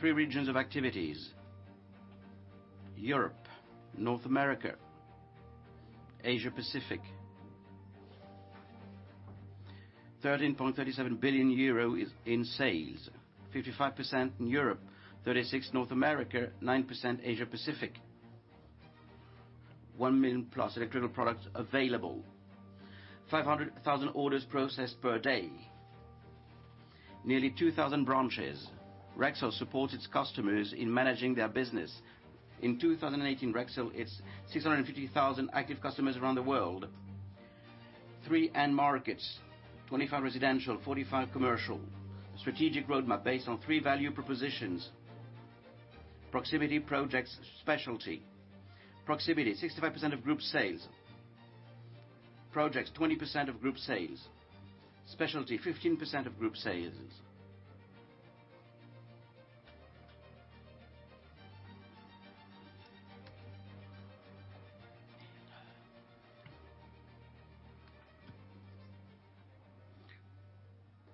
Three regions of activities: Europe, North America, Asia Pacific. 13.37 billion euro in sales. 55% in Europe, 36% North America, 9% Asia Pacific. 1 million-plus electrical products available. 500,000 orders processed per day. Nearly 2,000 branches. Rexel supports its customers in managing their business. In 2018, Rexel, its 650,000 active customers around the world. Three end markets, 25% residential, 45% commercial. Strategic roadmap based on three value propositions: proximity, projects, specialty. Proximity, 65% of group sales. Projects, 20% of group sales. Specialty, 15% of group sales.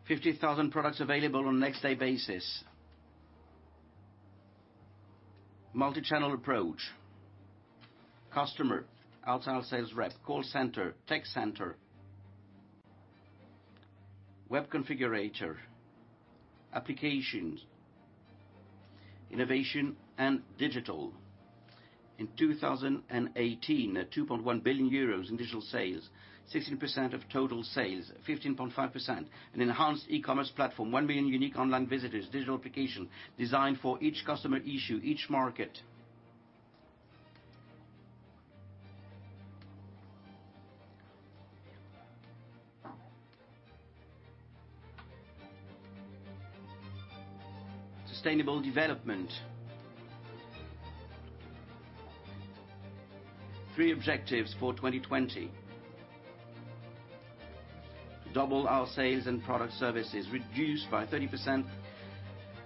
50,000 products available on next day basis. Multichannel approach. Customer, external sales rep, call center, tech center, web configurator, applications, innovation, and digital. In 2018, 2.1 billion euros in digital sales, 16% of total sales, 15.5%. An enhanced e-commerce platform, 1 billion unique online visitors. Digital application designed for each customer issue, each market. Sustainable development. Three objectives for 2020. To double our sales and product services, reduce by 30%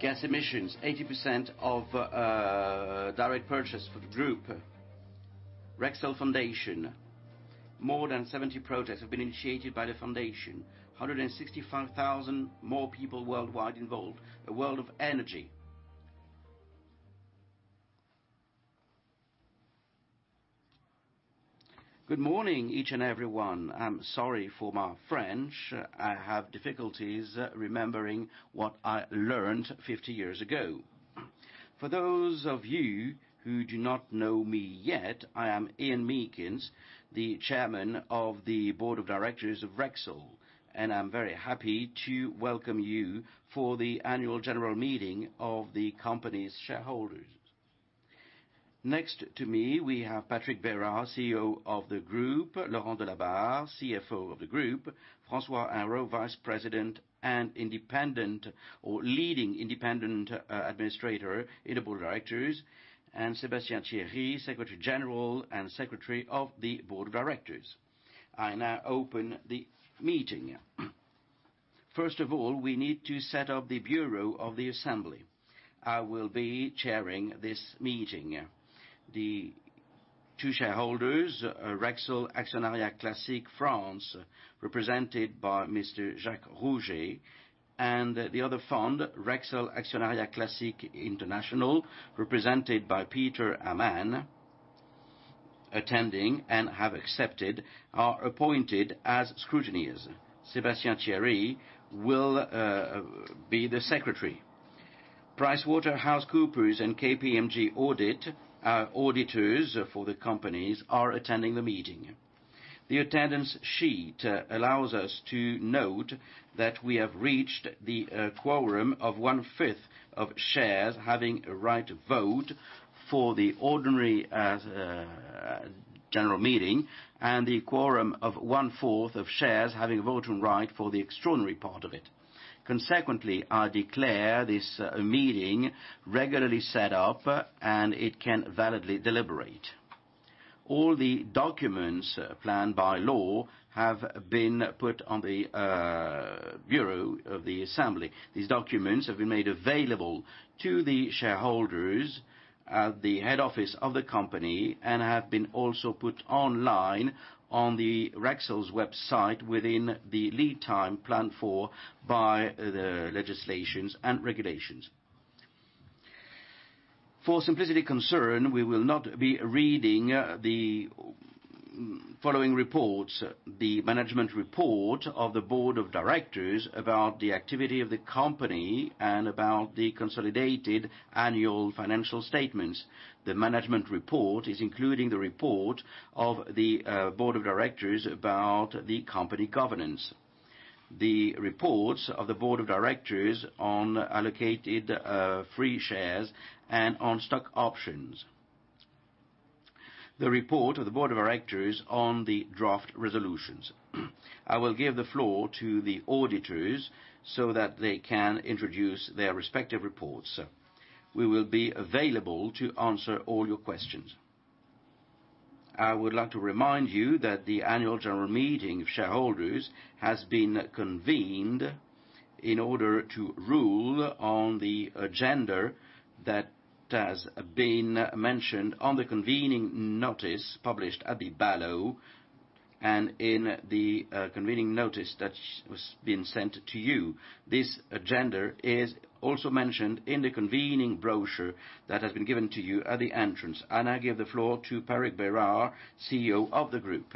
gas emissions, 80% of direct purchase for the group. Rexel Foundation. More than 70 projects have been initiated by the foundation. 165,000 more people worldwide involved. A world of energy. Good morning, each and everyone. I'm sorry for my French. I have difficulties remembering what I learned 50 years ago. For those of you who do not know me yet, I am Ian Meakins, the Chairman of the Board of Directors of Rexel, and I'm very happy to welcome you for the annual general meeting of the company's shareholders. Next to me, we have Patrick Berard, CEO of the group, Laurent Delabarre, CFO of the group, François Henrot, Vice President and leading independent administrator in the Board of Directors, and Sébastien Thierry, Secretary General and Secretary of the Board of Directors. I now open the meeting. First of all, we need to set up the bureau of the assembly. I will be chairing this meeting. The two shareholders, Rexel Actionnariat Classique France, represented by Mr. Jacques Rougé, and the other fund, Rexel Actionnariat Classique International, represented by Peter Aman, attending and have accepted are appointed as scrutineers. Sébastien Thierry will be the secretary. PricewaterhouseCoopers and KPMG Audit, auditors for the companies, are attending the meeting. The attendance sheet allows us to note that we have reached the quorum of one-fifth of shares having a right to vote for the ordinary general meeting and the quorum of one-fourth of shares having a voting right for the extraordinary part of it. Consequently, I declare this meeting regularly set up and it can validly deliberate. All the documents planned by law have been put on the bureau of the assembly. These documents have been made available to the shareholders at the head office of the company and have been also put online on the Rexel's website within the lead time planned for by the legislations and regulations. For simplicity concern, we will not be reading the following reports: The management report of the board of directors about the activity of the company and about the consolidated annual financial statements. The management report is including the report of the board of directors about the company governance. The reports of the board of directors on allocated free shares and on stock options. The report of the board of directors on the draft resolutions. I will give the floor to the auditors so that they can introduce their respective reports. We will be available to answer all your questions. I would like to remind you that the annual general meeting of shareholders has been convened in order to rule on the agenda that has been mentioned on the convening notice published at the BALO. In the convening notice that has been sent to you, this agenda is also mentioned in the convening brochure that has been given to you at the entrance.I give the floor to Patrick Berard, CEO of the group.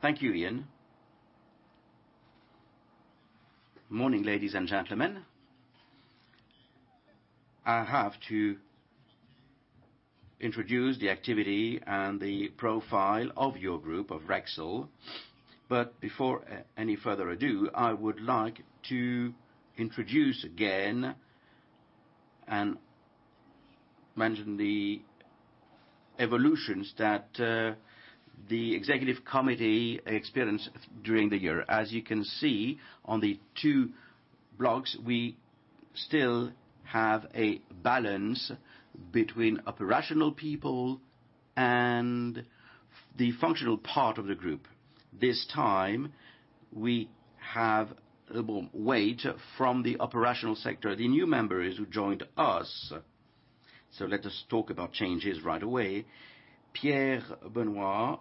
Thank you, Ian. Morning, ladies and gentlemen. I have to introduce the activity and the profile of your group, of Rexel. Before any further ado, I would like to introduce again and mention the evolutions that the Executive Committee experienced during the year. As you can see on the two blocks, we still have a balance between operational people and the functional part of the group. This time we have a little weight from the operational sector, the new members who joined us. Let us talk about changes right away. Pierre Benoit,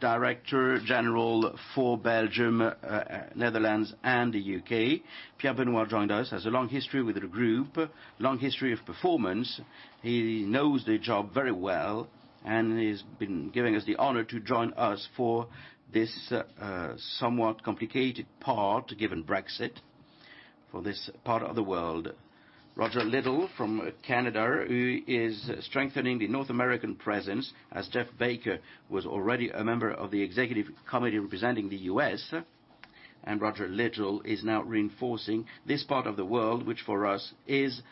Director General for Belgium, Netherlands, and the U.K. Pierre Benoit joined us, has a long history with the group, long history of performance. He knows the job very well, and he's been giving us the honor to join us for this somewhat complicated part, given Brexit, for this part of the world. Roger Little from Canada, who is strengthening the North American presence as Jeff Baker was already a member of the Executive Committee representing the U.S. Roger Little is now reinforcing this part of the world, which for us is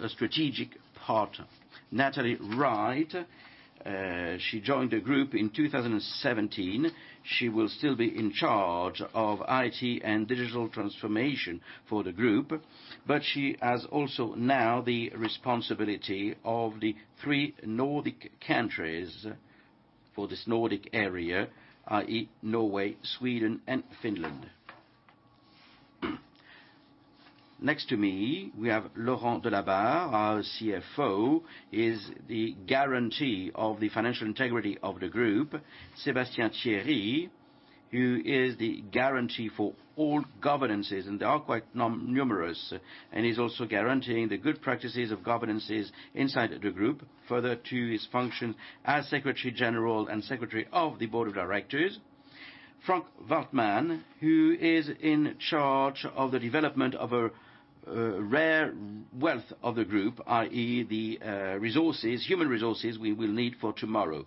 a strategic part. Nathalie Rachou, she joined the group in 2017. She will still be in charge of IT and digital transformation for the group, but she has also now the responsibility of the three Nordic countries, for this Nordic area, i.e., Norway, Sweden, and Finland. Next to me, we have Laurent Delabarre, our CFO, is the guarantee of the financial integrity of the group. Sébastien Thierry, who is the guarantee for all governances, and they are quite numerous, and he's also guaranteeing the good practices of governances inside the group. Further to his function as Secretary General and Secretary of the Board of Directors. Frank Waldmann, who is in charge of the development of a rare wealth of the group, i.e., the resources, human resources we will need for tomorrow.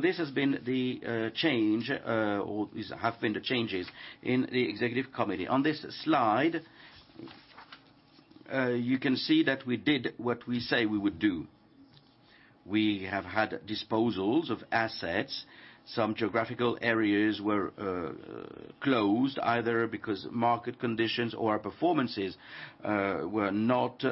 This has been the change, or these have been the changes in the Executive Committee. On this slide, you can see that we did what we say we would do. We have had disposals of assets. Some geographical areas were closed, either because market conditions or our performances were not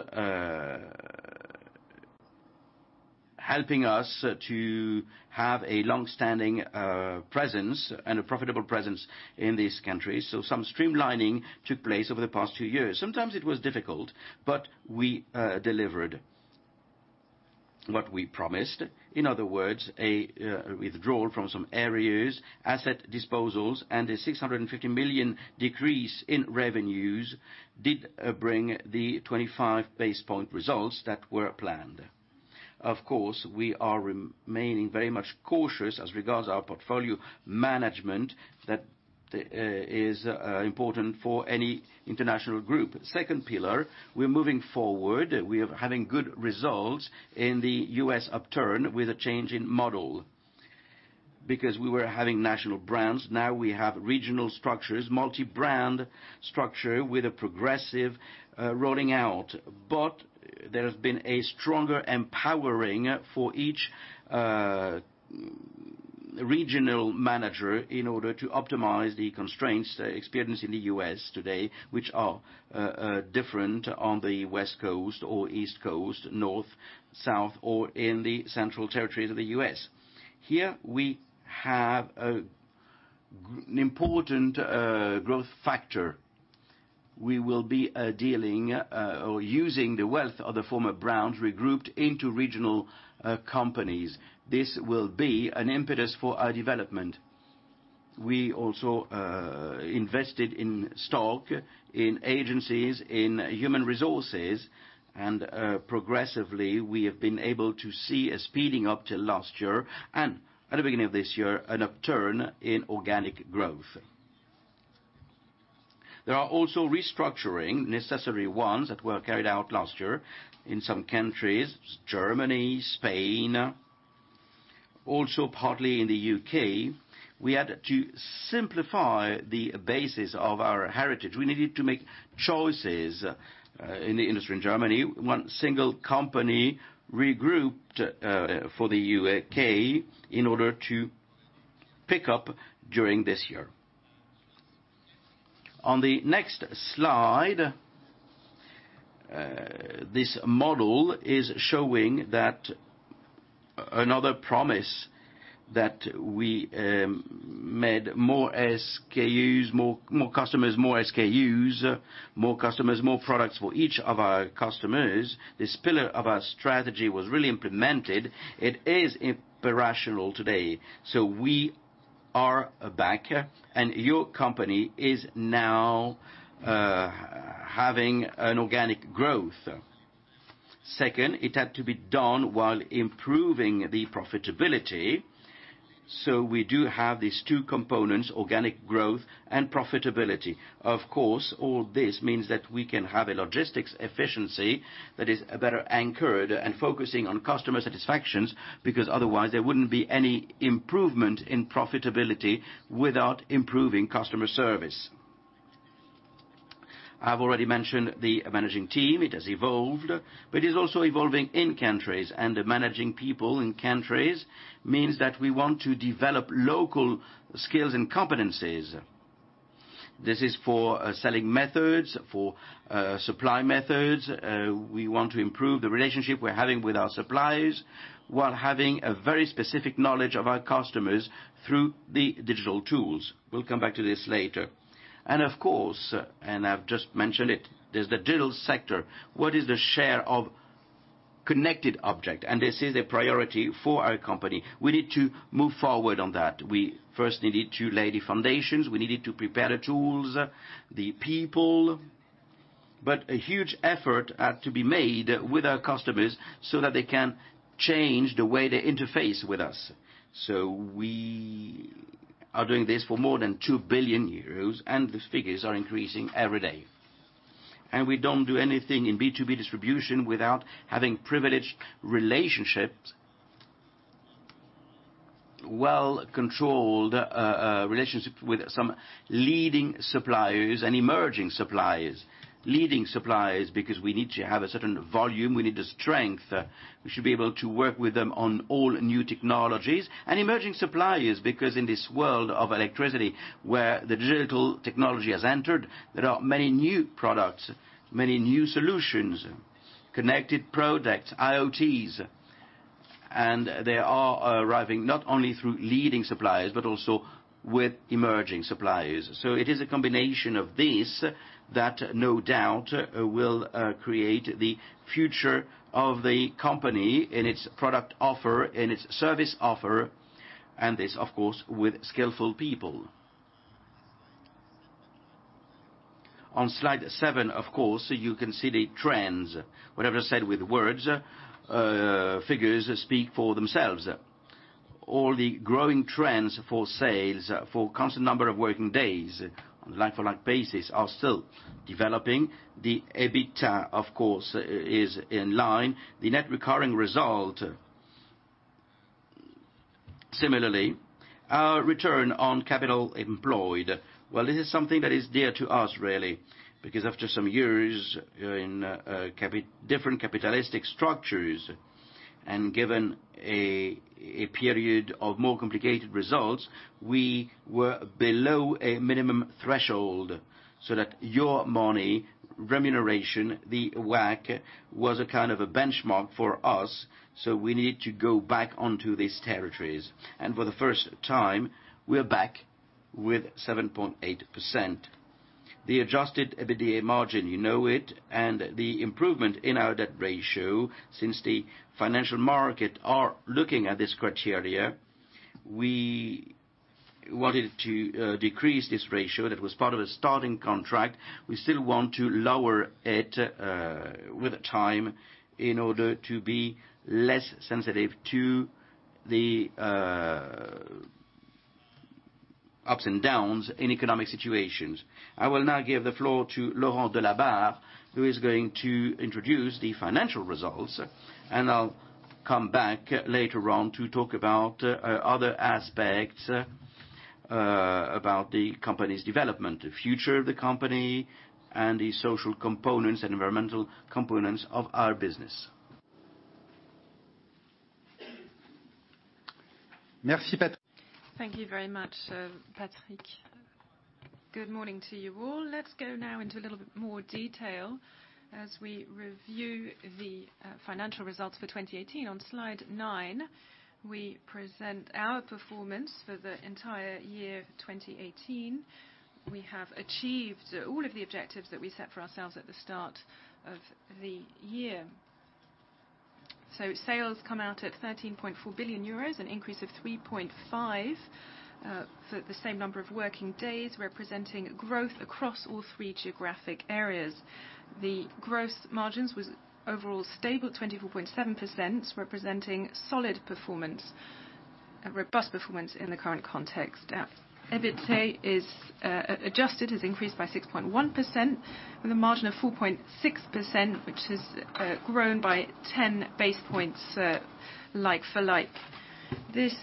helping us to have a long-standing presence and a profitable presence in this country. Some streamlining took place over the past two years. Sometimes it was difficult, we delivered what we promised. In other words, a withdrawal from some areas, asset disposals, and a 650 million decrease in revenues did bring the 25 basis point results that were planned. Of course, we are remaining very much cautious as regards our portfolio management that is important for any international group. Second pillar, we're moving forward. We are having good results in the U.S. upturn with a change in model. We were having national brands, now we have regional structures, multi-brand structure with a progressive rolling out. There has been a stronger empowering for each regional manager in order to optimize the constraints experienced in the U.S. today, which are different on the West Coast or East Coast, North, South, or in the central territories of the U.S. Here we have an important growth factor. We will be dealing or using the wealth of the former brands regrouped into regional companies. This will be an impetus for our development. We also invested in stock, in agencies, in human resources, and progressively, we have been able to see a speeding up till last year, and at the beginning of this year, an upturn in organic growth. There are also restructuring, necessary ones that were carried out last year in some countries, Germany, Spain, also partly in the U.K. We had to simplify the basis of our heritage. We needed to make choices in the industry in Germany, one single company regrouped for the U.K. in order to pick up during this year. On the next slide, this model is showing that. Another promise that we made, more SKUs, more customers, more products for each of our customers. This pillar of our strategy was really implemented. It is operational today. We are back, and your company is now having an organic growth. Second, it had to be done while improving the profitability. We do have these two components, organic growth and profitability. Of course, all this means that we can have a logistics efficiency that is better anchored and focusing on customer satisfactions, because otherwise there wouldn't be any improvement in profitability without improving customer service. I've already mentioned the managing team. It has evolved, it is also evolving in countries. Managing people in countries means that we want to develop local skills and competencies. This is for selling methods, for supply methods. We want to improve the relationship we're having with our suppliers, while having a very specific knowledge of our customers through the digital tools. We'll come back to this later. Of course, I've just mentioned it, there's the digital sector. What is the share of connected object? This is a priority for our company. We need to move forward on that. We first needed to lay the foundations. We needed to prepare the tools, the people. A huge effort had to be made with our customers so that they can change the way they interface with us. We are doing this for more than 2 billion euros, the figures are increasing every day. We don't do anything in B2B distribution without having privileged relationships, well-controlled relationships with some leading suppliers and emerging suppliers. Leading suppliers, because we need to have a certain volume, we need the strength. We should be able to work with them on all new technologies. Emerging suppliers, because in this world of electricity, where the digital technology has entered, there are many new products, many new solutions, connected products, IoTs. They are arriving not only through leading suppliers, but also with emerging suppliers. It is a combination of this that no doubt will create the future of the company in its product offer, in its service offer, and this, of course, with skillful people. On slide seven, of course, you can see the trends. Whatever is said with words, figures speak for themselves. All the growing trends for sales, for constant number of working days on a like-for-like basis are still developing. The EBITDA, of course, is in line. The net recurring result, similarly. Our return on capital employed. Well, this is something that is dear to us, really, because after some years in different capitalistic structures and given a period of more complicated results, we were below a minimum threshold so that your money, remuneration, the WACC, was a kind of a benchmark for us. We need to go back onto these territories. For the first time, we're back with 7.8%. The adjusted EBITDA margin, you know it, and the improvement in our debt ratio since the financial market are looking at this criteria. We wanted to decrease this ratio that was part of a starting contract. We still want to lower it with time in order to be less sensitive to the ups and downs in economic situations. I will now give the floor to Laurent Delabarre, who is going to introduce the financial results, and I'll come back later on to talk about other aspects about the company's development, the future of the company, and the social components and environmental components of our business. Merci, Patrick. Thank you very much, Patrick. Good morning to you all. Let's go now into a little bit more detail as we review the financial results for 2018. On slide nine, we present our performance for the entire year 2018. We have achieved all of the objectives that we set for ourselves at the start of the year. Sales come out at 13.4 billion euros, an increase of 3.5% for the same number of working days, representing growth across all three geographic areas. The gross margins was overall stable at 24.7%, representing solid performance, a robust performance in the current context. EBITDA adjusted has increased by 6.1%, with a margin of 4.6%, which has grown by 10 basis points like for like. This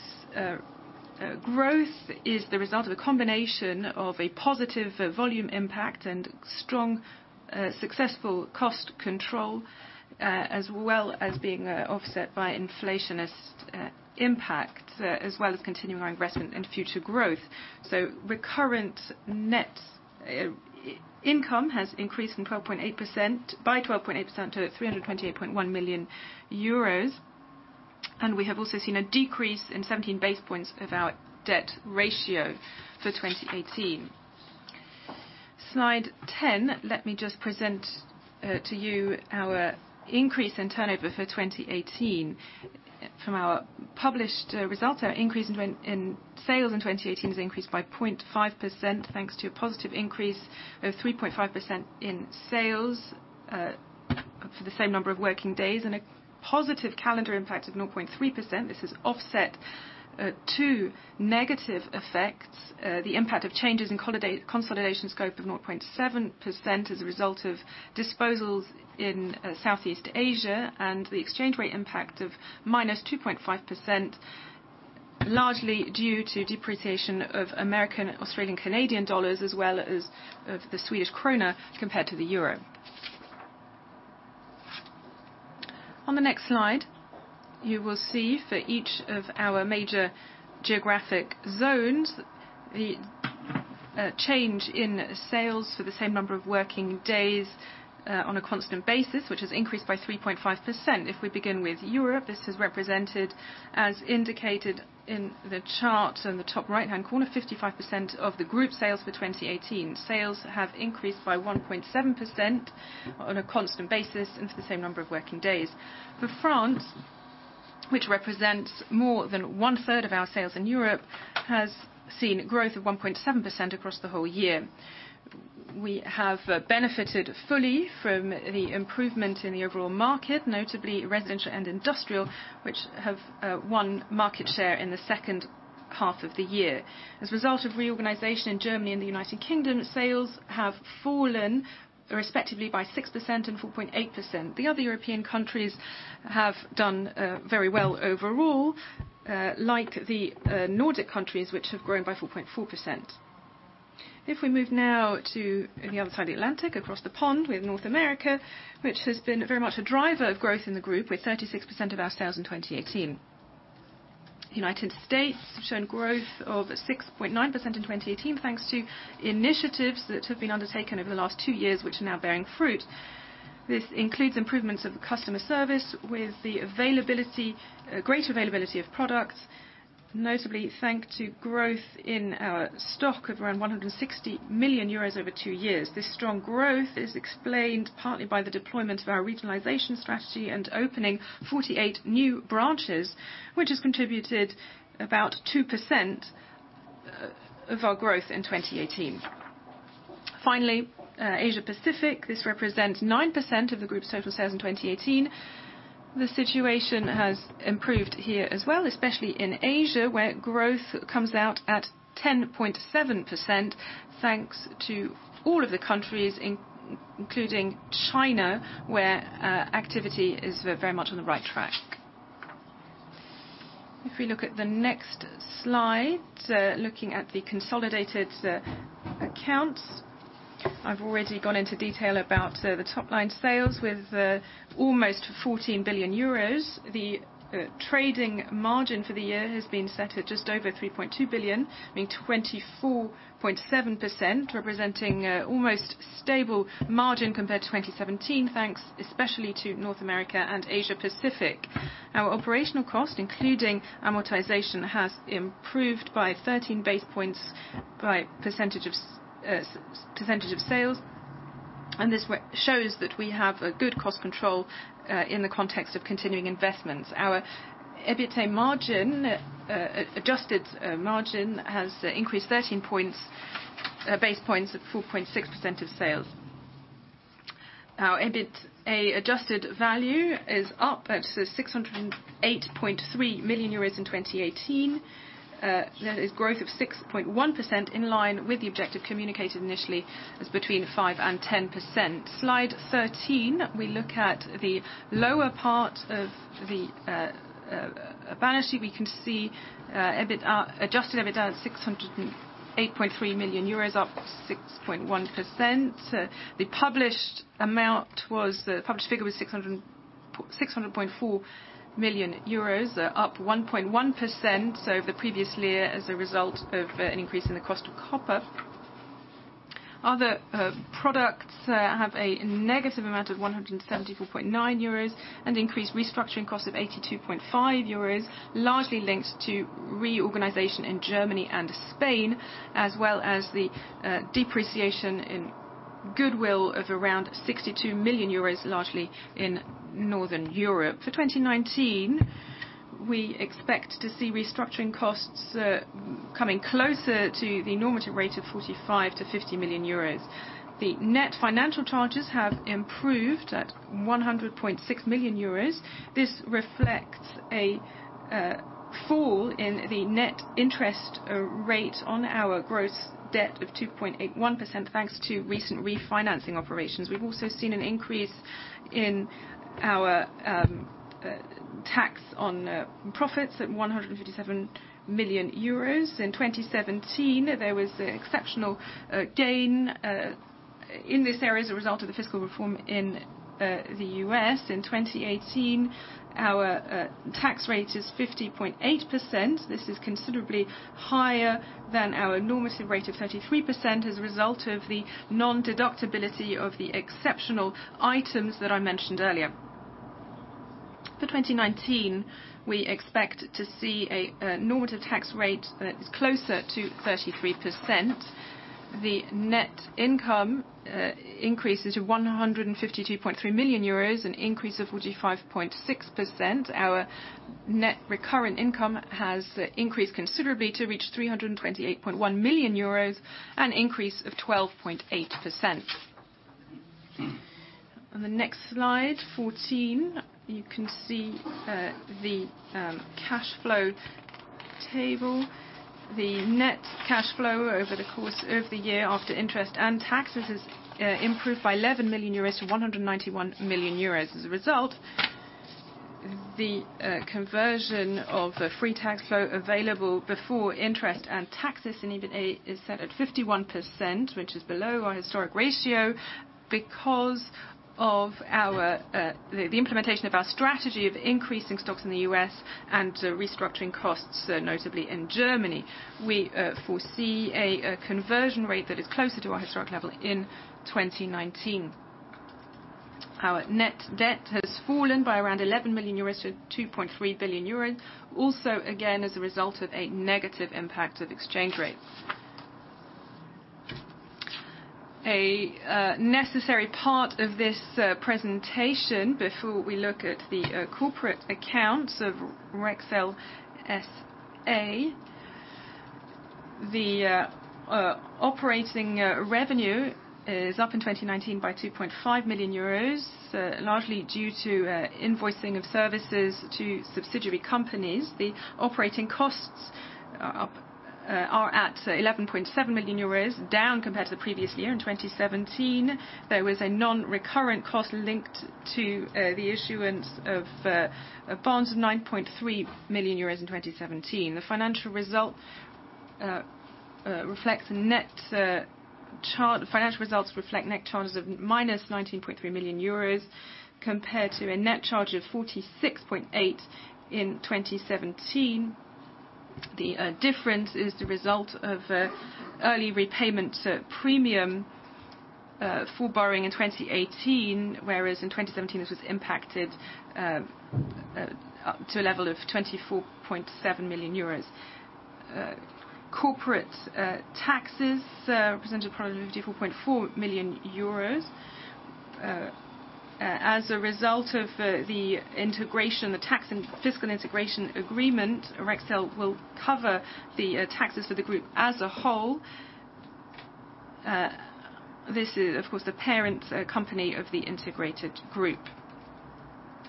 growth is the result of a combination of a positive volume impact and strong successful cost control, as well as being offset by inflationist impact, as well as continuing our investment in future growth. Recurrent net income has increased by 12.8% to 328.1 million euros. We have also seen a decrease in 17 basis points of our debt ratio for 2018. Slide 10, let me just present to you our increase in turnover for 2018. From our published results, our increase in sales in 2018 is increased by 0.5%, thanks to a positive increase of 3.5% in sales for the same number of working days, and a positive calendar impact of 0.3%. This is offset to negative effects, the impact of changes in consolidation scope of 0.7% as a result of disposals in Southeast Asia, and the exchange rate impact of minus 2.5%, largely due to depreciation of American, Australian, Canadian dollars, as well as of the Swedish krona compared to the euro. On the next slide, you will see for each of our major geographic zones, the change in sales for the same number of working days on a constant basis, which has increased by 3.5%. If we begin with Europe, this is represented as indicated in the chart in the top right-hand corner, 55% of the group sales for 2018. Sales have increased by 1.7% on a constant basis and for the same number of working days. For France, which represents more than one-third of our sales in Europe, has seen growth of 1.7% across the whole year. We have benefited fully from the improvement in the overall market, notably residential and industrial, which have won market share in the second half of the year. As a result of reorganization in Germany and the U.K., sales have fallen respectively by 6% and 4.8%. The other European countries have done very well overall, like the Nordic countries, which have grown by 4.4%. If we move now to the other side of the Atlantic, across the pond, we have North America, which has been very much a driver of growth in the group with 36% of our sales in 2018. U.S. have shown growth of 6.9% in 2018, thanks to initiatives that have been undertaken over the last two years, which are now bearing fruit. This includes improvements of customer service with the great availability of products, notably thanks to growth in our stock of around 160 million euros over two years. This strong growth is explained partly by the deployment of our regionalization strategy and opening 48 new branches, which has contributed about 2% of our growth in 2018. Finally, Asia-Pacific. This represents 9% of the group's total sales in 2018. The situation has improved here as well, especially in Asia, where growth comes out at 10.7% thanks to all of the countries, including China, where activity is very much on the right track. If we look at the next slide, looking at the consolidated accounts, I've already gone into detail about the top-line sales with almost 14 billion euros. The trading margin for the year has been set at just over 3.2 billion, meaning 24.7%, representing almost stable margin compared to 2017, thanks especially to North America and Asia-Pacific. Our operational cost, including amortization, has improved by 13 base points by percentage of sales. This shows that we have a good cost control in the context of continuing investments. Our EBITDA adjusted margin has increased 13 base points at 4.6% of sales. Our EBITDA adjusted value is up at 608.3 million euros in 2018. That is growth of 6.1%, in line with the objective communicated initially as between 5% and 10%. Slide 13, we look at the lower part of the balance sheet. We can see adjusted EBITDA at 608.3 million euros, up 6.1%. The published figure was 600.4 million euros, up 1.1% over the previous year as a result of an increase in the cost of copper. Other products have a negative amount of 174.9 million euros and increased restructuring costs of 82.5 million euros, largely linked to reorganization in Germany and Spain, as well as the depreciation in goodwill of around 62 million euros, largely in Northern Europe. For 2019, we expect to see restructuring costs coming closer to the normative rate of 45 million-50 million euros. The net financial charges have improved at 100.6 million euros. This reflects a fall in the net interest rate on our gross debt of 2.81% thanks to recent refinancing operations. We've also seen an increase in our tax on profits at 157 million euros. In 2017, there was exceptional gain in this area as a result of the fiscal reform in the U.S. In 2018, our tax rate is 50.8%. This is considerably higher than our normative rate of 33% as a result of the non-deductibility of the exceptional items that I mentioned earlier. For 2019, we expect to see a normal tax rate that is closer to 33%. The net income increases to 152.3 million euros, an increase of 45.6%. Our net recurrent income has increased considerably to reach 328.1 million euros, an increase of 12.8%. On the next slide 14, you can see the cash flow table. The net cash flow over the course of the year after interest and taxes has improved by 11 million euros to 191 million euros. As a result, the conversion of the free tax flow available before interest and taxes and EBITA is set at 51%, which is below our historic ratio because of the implementation of our strategy of increasing stocks in the U.S. and restructuring costs, notably in Germany. We foresee a conversion rate that is closer to our historic level in 2019. Our net debt has fallen by around 11 million euros to 2.3 billion euros. As a result of a negative impact of exchange rates. A necessary part of this presentation before we look at the corporate accounts of Rexel S.A. The operating revenue is up in 2019 by 2.5 million euros, largely due to invoicing of services to subsidiary companies. The operating costs are at 11.7 million euros, down compared to the previous year. In 2017, there was a non-recurrent cost linked to the issuance of bonds of 9.3 million euros in 2017. The financial results reflect net charges of minus 19.3 million euros, compared to a net charge of 46.8 million in 2017. The difference is the result of early repayment premium for borrowing in 2018, whereas in 2017, this was impacted to a level of 24.7 million euros. Corporate taxes represented probably 54.4 million euros. As a result of the fiscal integration agreement, Rexel will cover the taxes for the group as a whole. This is, of course, the parent company of the integrated group.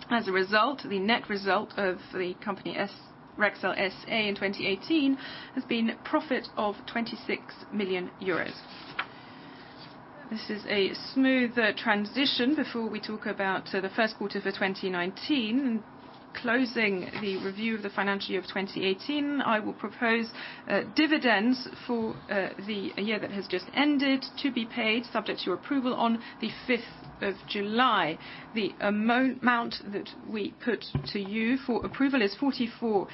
As a result, the net result of the company Rexel S.A. in 2018 has been profit of 26 million euros. This is a smooth transition before we talk about the first quarter for 2019 and closing the review of the financial year of 2018, I will propose dividends for the year that has just ended to be paid subject to approval on the 5th of July. The amount that we put to you for approval is 0.44,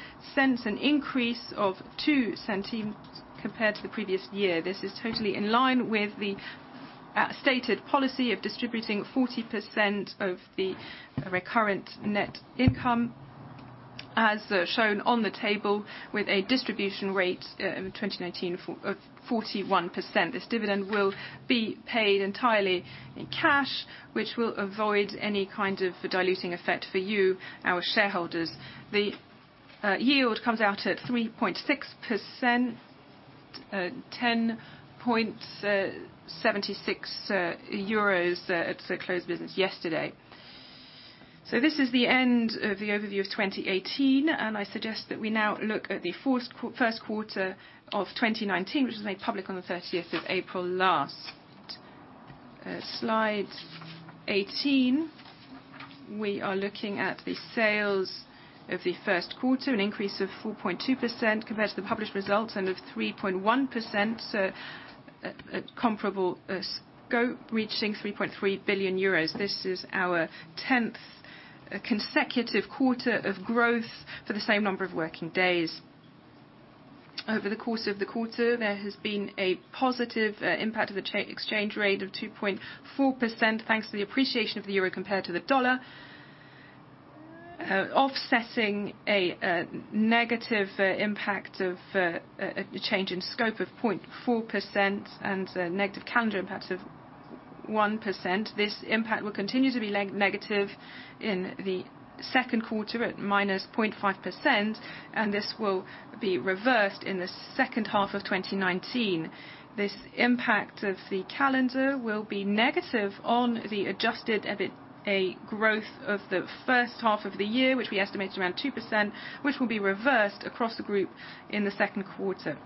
an increase of 0.02 compared to the previous year. This is totally in line with the stated policy of distributing 40% of the recurrent net income, as shown on the table with a distribution rate in 2019 of 41%. This dividend will be paid entirely in cash, which will avoid any kind of diluting effect for you, our shareholders. The yield comes out at 3.6%, €10.76 at close business yesterday. This is the end of the overview of 2018, and I suggest that we now look at the first quarter of 2019, which was made public on the 30th of April last. Slide 18, we are looking at the sales of the first quarter, an increase of 4.2% compared to the published results end of 3.1%, so at comparable scope reaching €3.3 billion. This is our 10th consecutive quarter of growth for the same number of working days. Over the course of the quarter, there has been a positive impact of the exchange rate of 2.4% thanks to the appreciation of the EUR compared to the USD, offsetting a negative impact of a change in scope of 0.4% and a negative calendar impact of 1%. This impact will continue to be negative in the second quarter at minus 0.5%, and this will be reversed in the second half of 2019. This impact of the calendar will be negative on the adjusted EBITA growth of the first half of the year, which we estimate around 2%, which will be reversed across the group in the second quarter.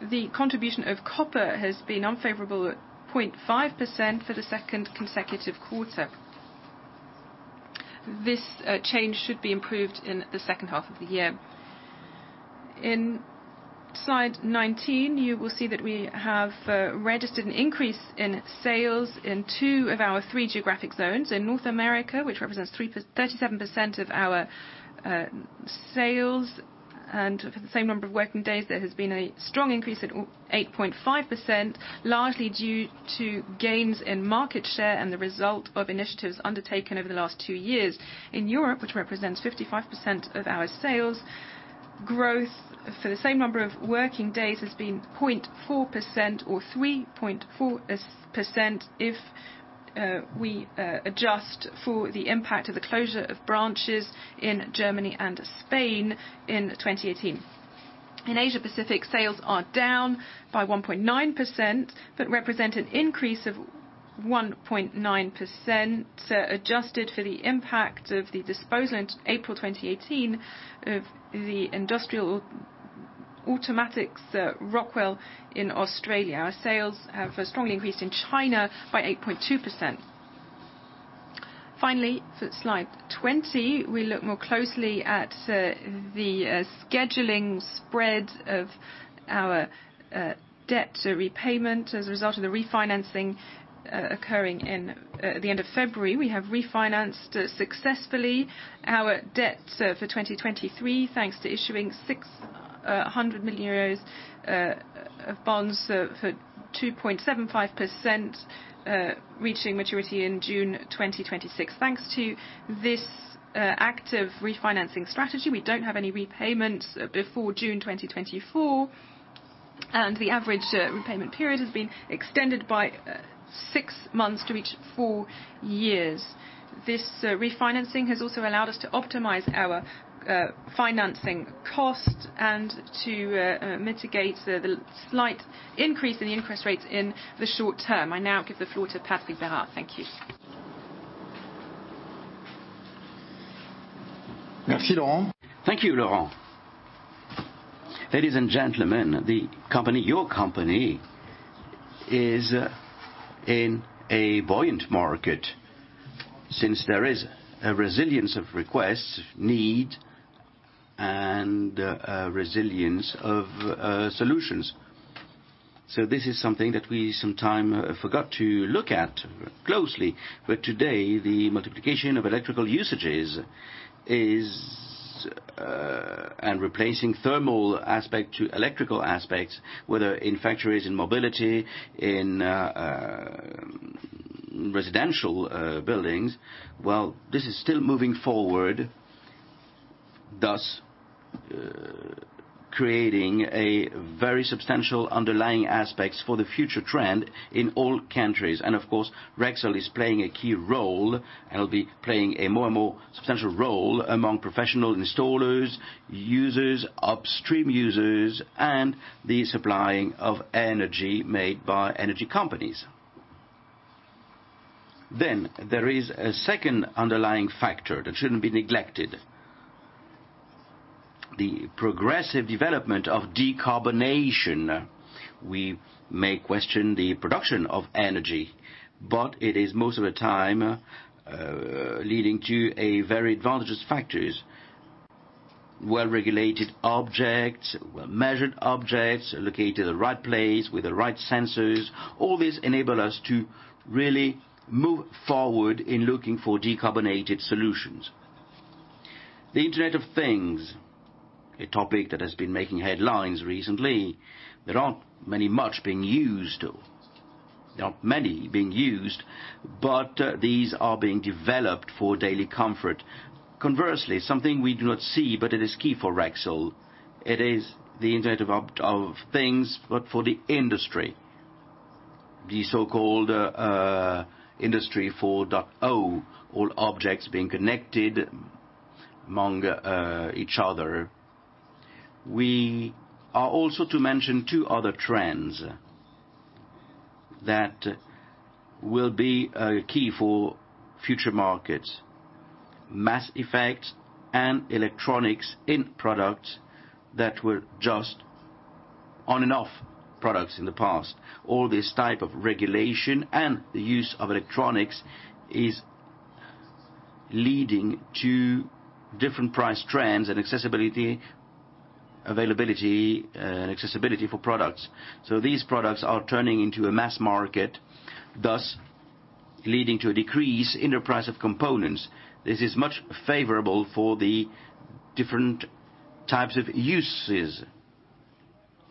The contribution of copper has been unfavorable at 0.5% for the second consecutive quarter. This change should be improved in the second half of the year. In slide 19, you will see that we have registered an increase in sales in two of our three geographic zones. In North America, which represents 37% of our sales. For the same number of working days, there has been a strong increase at 8.5%, largely due to gains in market share and the result of initiatives undertaken over the last two years. In Europe, which represents 55% of our sales, growth for the same number of working days has been 0.4% or 3.4% if we adjust for the impact of the closure of branches in Germany and Spain in 2018. In Asia Pacific, sales are down by 1.9%, but represent an increase of 1.9% adjusted for the impact of the disposal in April 2018 of the industrial automatics, Rockwell, in Australia. Our sales have strongly increased in China by 8.2%. Finally, for slide 20, we look more closely at the scheduling spread of our debt repayment as a result of the refinancing occurring at the end of February. We have refinanced successfully our debt for 2023, thanks to issuing 600 million euros of bonds for 2.75%, reaching maturity in June 2026. Thanks to this active refinancing strategy, we don't have any repayments before June 2024. And the average repayment period has been extended by six months to reach four years. This refinancing has also allowed us to optimize our financing cost and to mitigate the slight increase in the interest rates in the short term. I now give the floor to Patrick Berard. Thank you. Thank you, Laurent. Ladies and gentlemen, your company is in a buoyant market since there is a resilience of requests, need, and resilience of solutions. This is something that we sometimes forgot to look at closely. Today, the multiplication of electrical usages and replacing thermal aspect to electrical aspects, whether in factories, in mobility, in residential buildings. Well, this is still moving forward, thus creating a very substantial underlying aspects for the future trend in all countries. Of course, Rexel is playing a key role and will be playing a more and more substantial role among professional installers, users, upstream users, and the supplying of energy made by energy companies. There is a second underlying factor that shouldn't be neglected. The progressive development of decarbonation. We may question the production of energy, but it is most of the time leading to a very advantageous factors. Well-regulated objects, well-measured objects located at the right place with the right sensors. All this enable us to really move forward in looking for decarbonated solutions. The Internet of Things, a topic that has been making headlines recently. There aren't many being used, but these are being developed for daily comfort. Conversely, something we do not see, but it is key for Rexel. It is the Internet of Things, but for the industry. The so-called Industry 4.0, all objects being connected among each other. We are also to mention two other trends that will be key for future markets, mass effect and electronics in products that were just on and off products in the past. All this type of regulation and the use of electronics is leading to different price trends and accessibility for products. These products are turning into a mass market, thus leading to a decrease in the price of components. This is much favorable for the different types of uses.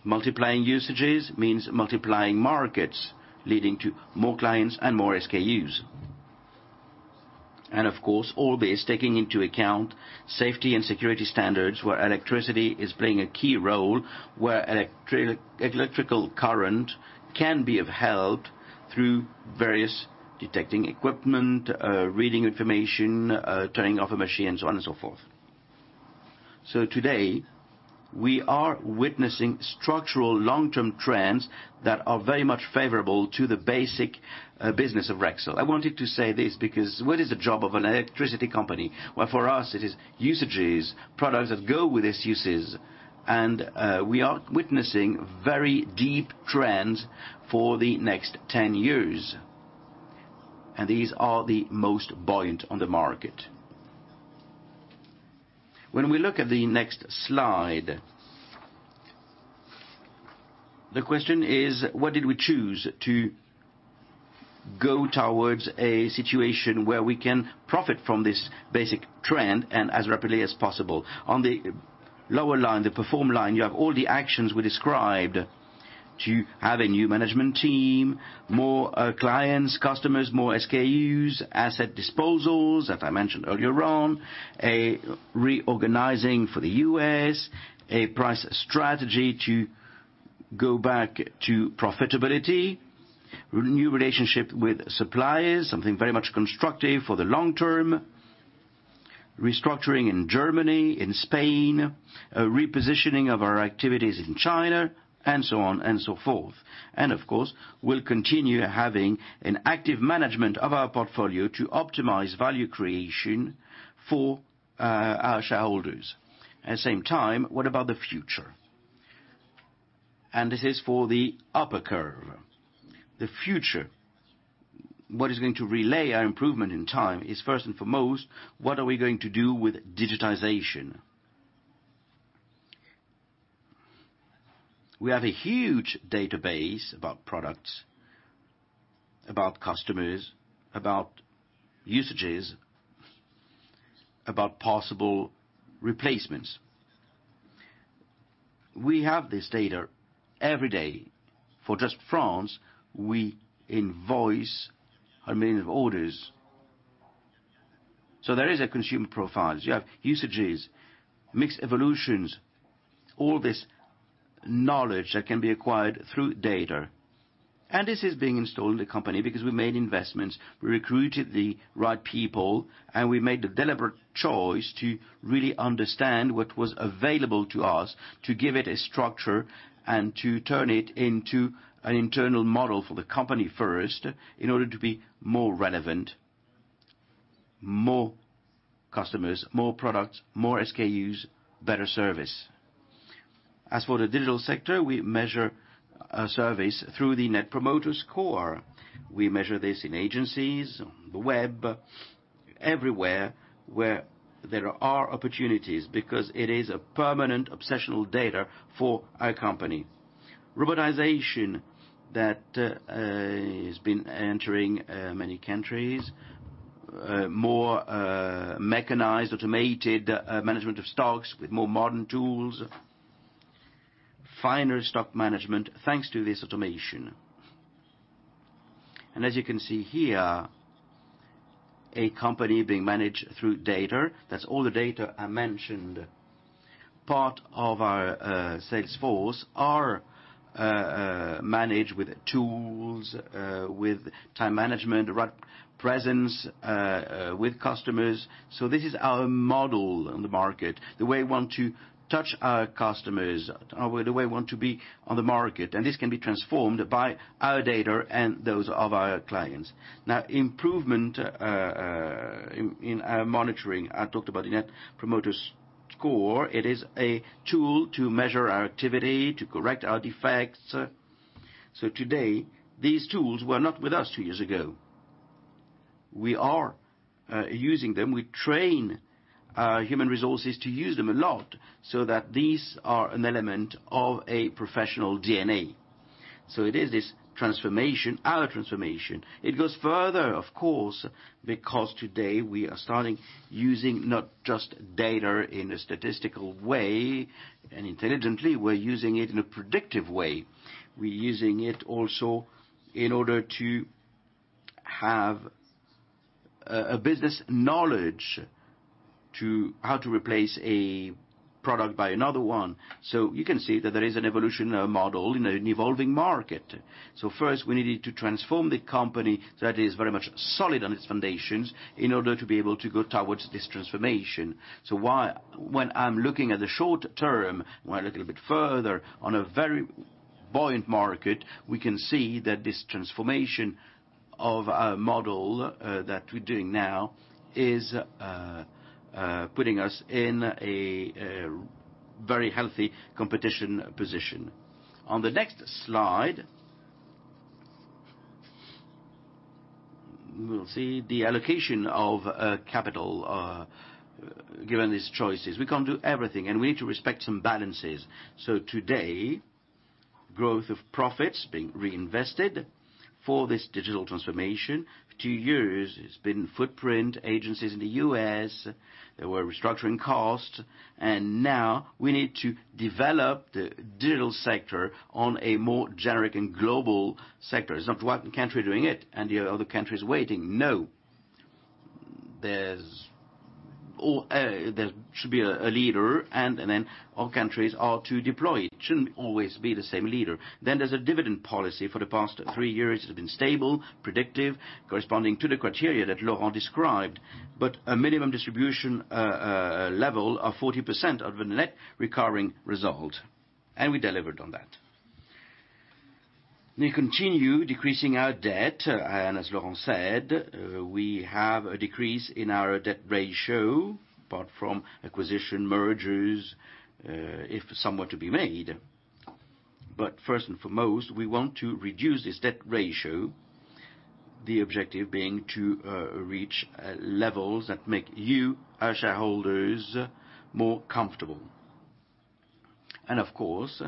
Multiplying usages means multiplying markets, leading to more clients and more SKUs. Of course, all this taking into account safety and security standards where electricity is playing a key role, where electrical current can be upheld through various detecting equipment, reading information, turning off a machine, so on and so forth. Today, we are witnessing structural long-term trends that are very much favorable to the basic business of Rexel. I wanted to say this because what is the job of an electricity company? Well, for us it is usages, products that go with these uses, and we are witnessing very deep trends for the next 10 years. These are the most buoyant on the market. When we look at the next slide. The question is, what did we choose to go towards a situation where we can profit from this basic trend and as rapidly as possible. On the lower line, the perform line, you have all the actions we described to have a new management team, more clients, customers, more SKUs, asset disposals, that I mentioned earlier on, a reorganizing for the U.S., a price strategy to go back to profitability, new relationship with suppliers, something very much constructive for the long term, restructuring in Germany, in Spain, a repositioning of our activities in China, and so on and so forth. Of course, we'll continue having an active management of our portfolio to optimize value creation for our shareholders. At the same time, what about the future? This is for the upper curve. The future. What is going to relay our improvement in time is first and foremost, what are we going to do with digitization? We have a huge database about products, about customers, about usages, about possible replacements. We have this data every day. For just France, we invoice 1 million orders. There is a consumer profile. You have usages, mixed evolutions, all this knowledge that can be acquired through data. This is being installed in the company because we made investments, we recruited the right people, and we made the deliberate choice to really understand what was available to us, to give it a structure, and to turn it into an internal model for the company first, in order to be more relevant, more customers, more products, more SKUs, better service. As for the digital sector, we measure our service through the Net Promoter Score. We measure this in agencies, on the web, everywhere where there are opportunities, because it is a permanent obsessional data for our company. Robotization that has been entering many countries, more mechanized, automated management of stocks with more modern tools, finer stock management thanks to this automation. As you can see here, a company being managed through data. That's all the data I mentioned. Part of our sales force are managed with tools, with time management, the right presence with customers. This is our model in the market, the way we want to touch our customers, the way we want to be on the market. This can be transformed by our data and those of our clients. Improvement in our monitoring. I talked about the Net Promoter Score. It is a tool to measure our activity, to correct our defects. Today, these tools were not with us two years ago. We are using them. We train our human resources to use them a lot, so that these are an element of a professional DNA. It is this transformation, our transformation. It goes further, of course, because today we are starting using not just data in a statistical way and intelligently, we're using it in a predictive way. We're using it also in order to have a business knowledge to how to replace a product by another one. You can see that there is an evolution model in an evolving market. First, we needed to transform the company that is very much solid on its foundations in order to be able to go towards this transformation. When I'm looking at the short term, when I look a little bit further on a very buoyant market, we can see that this transformation of our model that we're doing now is putting us in a very healthy competition position. On the next slide, we'll see the allocation of capital given these choices. We can't do everything, we need to respect some balances. Today, growth of profits being reinvested for this digital transformation. For two years, it's been footprint agencies in the U.S., there were restructuring costs, now we need to develop the digital sector on a more generic and global sector. It's not one country doing it and the other countries waiting. No. There should be a leader, all countries are to deploy. It shouldn't always be the same leader. There's a dividend policy. For the past three years, it has been stable, predictive, corresponding to the criteria that Laurent described, but a minimum distribution level of 40% of the net recurring result. We delivered on that. We continue decreasing our debt, and as Laurent said, we have a decrease in our debt ratio, apart from acquisition mergers, if some were to be made. First and foremost, we want to reduce this debt ratio. The objective being to reach levels that make you, our shareholders, more comfortable. Of course,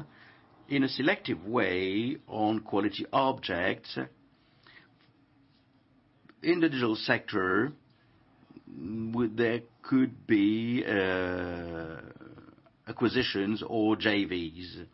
in a selective way on quality objects. In the digital sector, there could be acquisitions or JVs.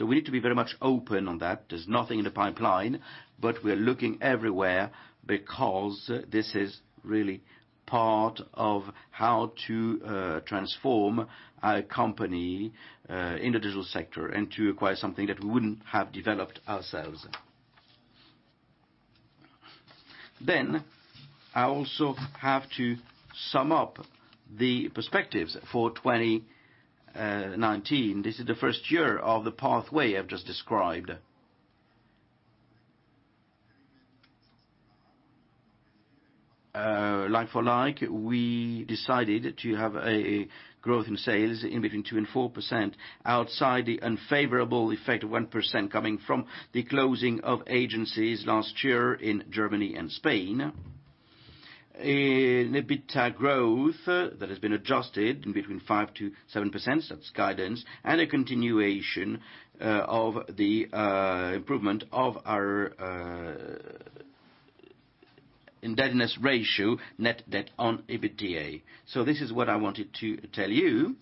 We need to be very much open on that. There's nothing in the pipeline, but we're looking everywhere because this is really part of how to transform our company in the digital sector, and to acquire something that we wouldn't have developed ourselves. I also have to sum up the perspectives for 2019. This is the first year of the pathway I've just described. Like for like, we decided to have a growth in sales in between 2% and 4%, outside the unfavorable effect of 1% coming from the closing of agencies last year in Germany and Spain. An EBITDA growth that has been adjusted in between 5%-7%, that's guidance. A continuation of the improvement of our indebtedness ratio, net debt on EBITDA. This is what I wanted to tell you,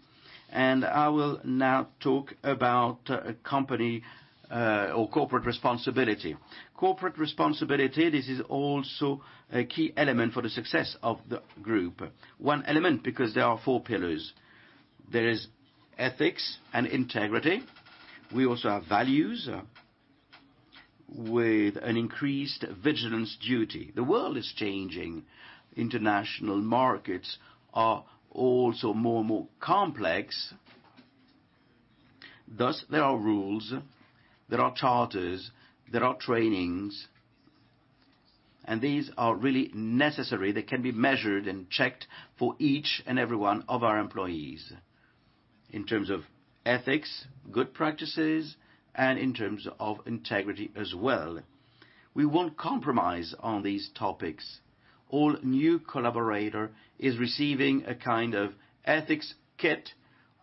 and I will now talk about company or corporate responsibility. Corporate responsibility, this is also a key element for the success of the group. One element, because there are four pillars. There is ethics and integrity. We also have values with an increased vigilance duty. The world is changing. International markets are also more and more complex. There are rules, there are charters, there are trainings. These are really necessary. They can be measured and checked for each and every one of our employees, in terms of ethics, good practices, and in terms of integrity as well. We won't compromise on these topics. All new collaborator is receiving a kind of ethics kit.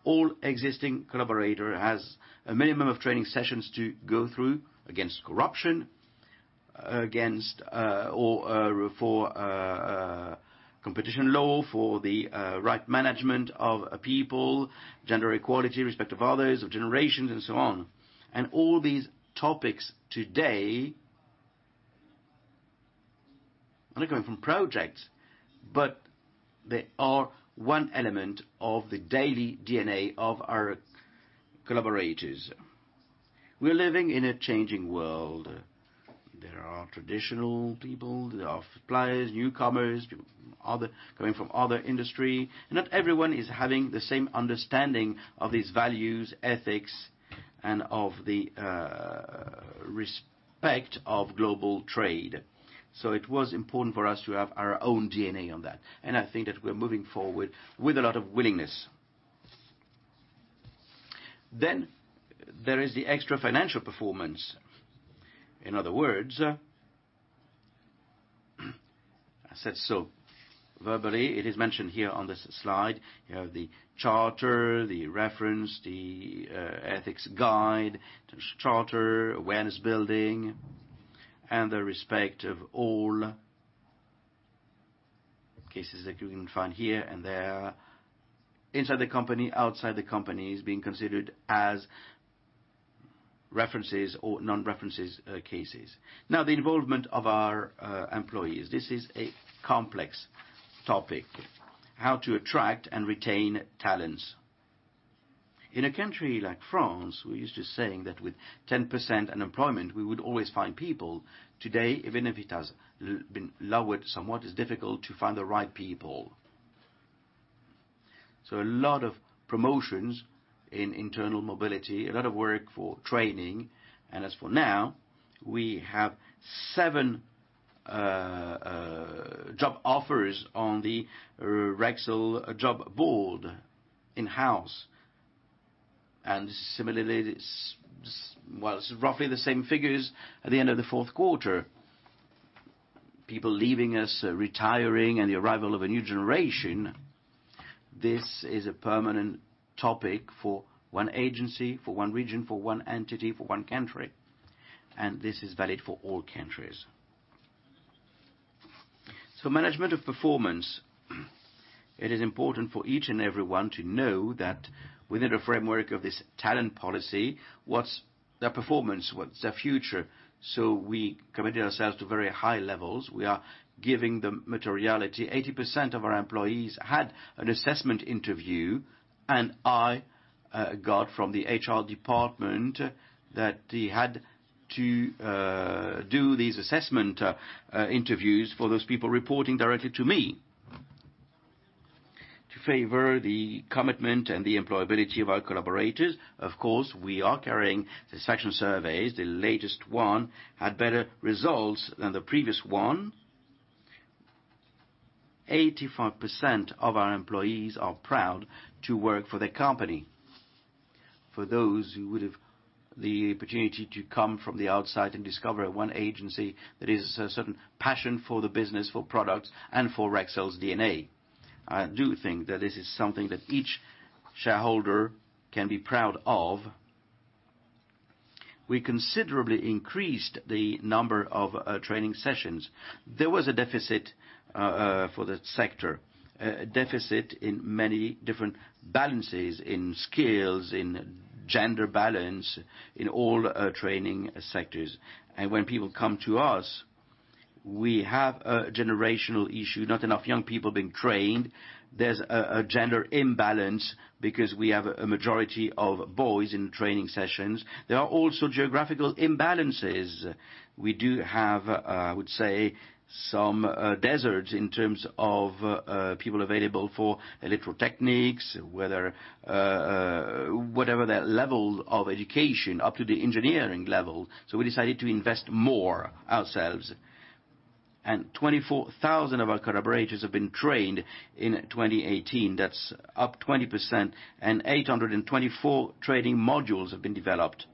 All existing collaborator has a minimum of training sessions to go through against corruption, for competition law, for the right management of people, gender equality, respect of others, of generations, and so on. All these topics today are not coming from projects, but they are one element of the daily DNA of our collaborators. We're living in a changing world. There are traditional people, there are suppliers, newcomers, people coming from other industry, and not everyone is having the same understanding of these values, ethics, and of the respect of global trade. It was important for us to have our own DNA on that. I think that we're moving forward with a lot of willingness. There is the extra financial performance. In other words, I said so verbally, it is mentioned here on this slide, you have the charter, the reference, the ethics guide, the charter, awareness building, and the respect of all cases that you can find here and there. Inside the company, outside the company, is being considered as references or non-references cases. The involvement of our employees. This is a complex topic. How to attract and retain talents. In a country like France, we're used to saying that with 10% unemployment, we would always find people. Today, even if it has been lowered somewhat, it's difficult to find the right people. A lot of promotions in internal mobility, a lot of work for training. As for now, we have seven job offers on the Rexel job board in-house. Similarly, it's roughly the same figures at the end of the fourth quarter. People leaving us, retiring, and the arrival of a new generation. This is a permanent topic for one agency, for one region, for one entity, for one country. This is valid for all countries. Management of performance. It is important for each and everyone to know that within the framework of this talent policy, what's their performance, what's their future. We committed ourselves to very high levels. We are giving them materiality. 80% of our employees had an assessment interview, and I got from the HR department that they had to do these assessment interviews for those people reporting directly to me. To favor the commitment and the employability of our collaborators, of course, we are carrying the section surveys. The latest one had better results than the previous one. 85% of our employees are proud to work for their company. For those who would have the opportunity to come from the outside and discover one agency, there is a certain passion for the business, for products, and for Rexel's DNA. I do think that this is something that each shareholder can be proud of. We considerably increased the number of training sessions. There was a deficit for the sector, a deficit in many different balances, in skills, in gender balance, in all training sectors. When people come to us, we have a generational issue, not enough young people being trained. There's a gender imbalance because we have a majority of boys in training sessions. There are also geographical imbalances. We do have, I would say, some deserts in terms of people available for electrotechniques, whatever their level of education, up to the engineering level. We decided to invest more ourselves. 24,000 of our collaborators have been trained in 2018, that's up 20%, and 824 training modules have been developed.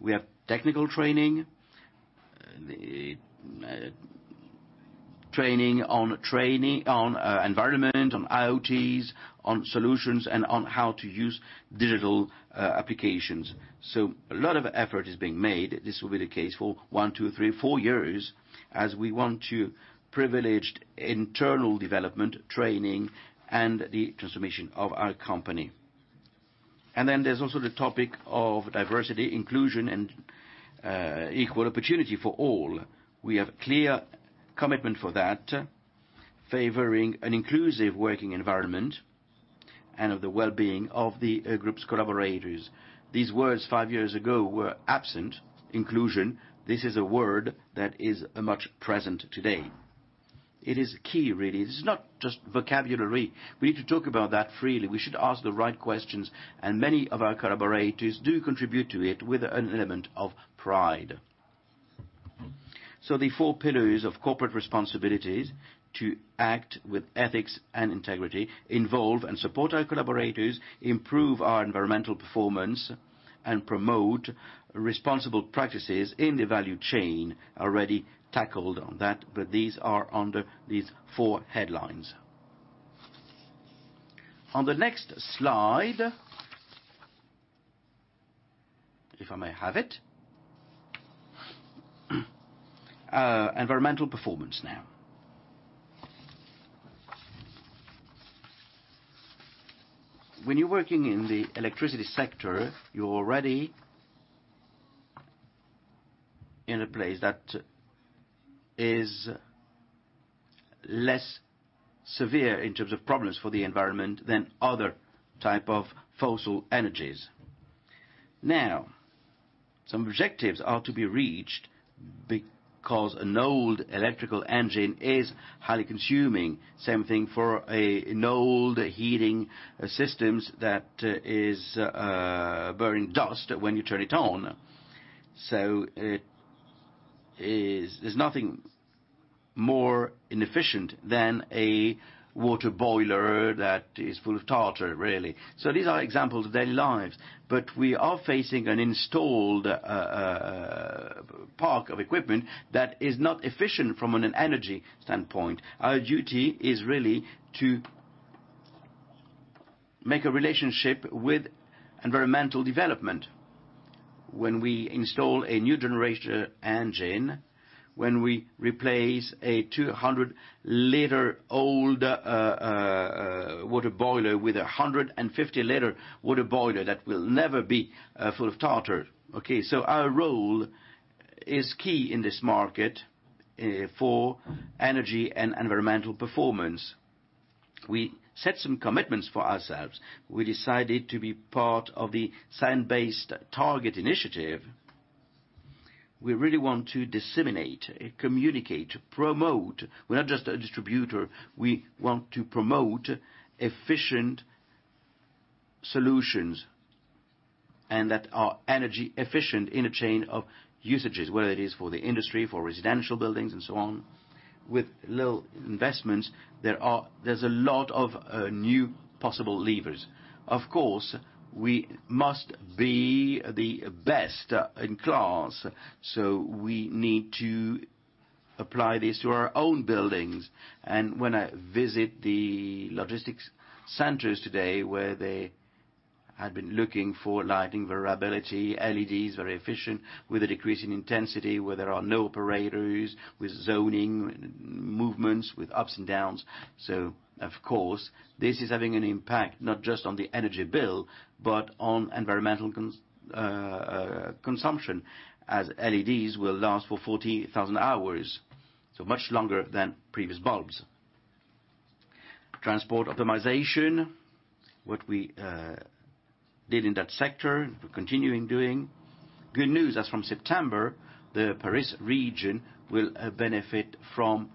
We have technical training on environment, on IoTs, on solutions, and on how to use digital applications. A lot of effort is being made. This will be the case for one, two, three, four years as we want to privilege internal development, training, and the transformation of our company. There's also the topic of diversity, inclusion, and equal opportunity for all. We have clear commitment for that, favoring an inclusive working environment and of the well-being of the group's collaborators. These words five years ago were absent. Inclusion, this is a word that is much present today. It is key, really. This is not just vocabulary. We need to talk about that freely. We should ask the right questions, and many of our collaborators do contribute to it with an element of pride. The four pillars of corporate responsibilities to act with ethics and integrity, involve and support our collaborators, improve our environmental performance, and promote responsible practices in the value chain, already tackled on that, but these are under these four headlines. On the next slide, if I may have it. Environmental performance now. When you're working in the electricity sector, you're already in a place that is less severe in terms of problems for the environment than other types of fossil energies. Now, some objectives are to be reached because an old electrical engine is highly consuming. Same thing for an old heating system that is burning dust when you turn it on. There's nothing more inefficient than a water boiler that is full of tartar, really. These are examples of daily lives. We are facing an installed park of equipment that is not efficient from an energy standpoint. Our duty is really to make a relationship with environmental development. When we install a new generation engine, when we replace a 200-liter old water boiler with 150-liter water boiler, that will never be full of tartar. Okay. Our role is key in this market for energy and environmental performance. We set some commitments for ourselves. We decided to be part of the Science Based Targets initiative. We really want to disseminate, communicate, promote. We're not just a distributor. We want to promote efficient solutions and that are energy efficient in a chain of usages, whether it is for the industry, for residential buildings, and so on. With little investments, there's a lot of new possible levers. Of course, we must be the best in class, so we need to apply this to our own buildings. When I visit the logistics centers today where they had been looking for lighting variability, LEDs, very efficient with a decrease in intensity, where there are no operators, with zoning movements, with ups and downs. Of course, this is having an impact not just on the energy bill, but on environmental consumption, as LEDs will last for 40,000 hours, so much longer than previous bulbs. Transport optimization, what we did in that sector, we're continuing doing. Good news, as from September, the Paris region will benefit from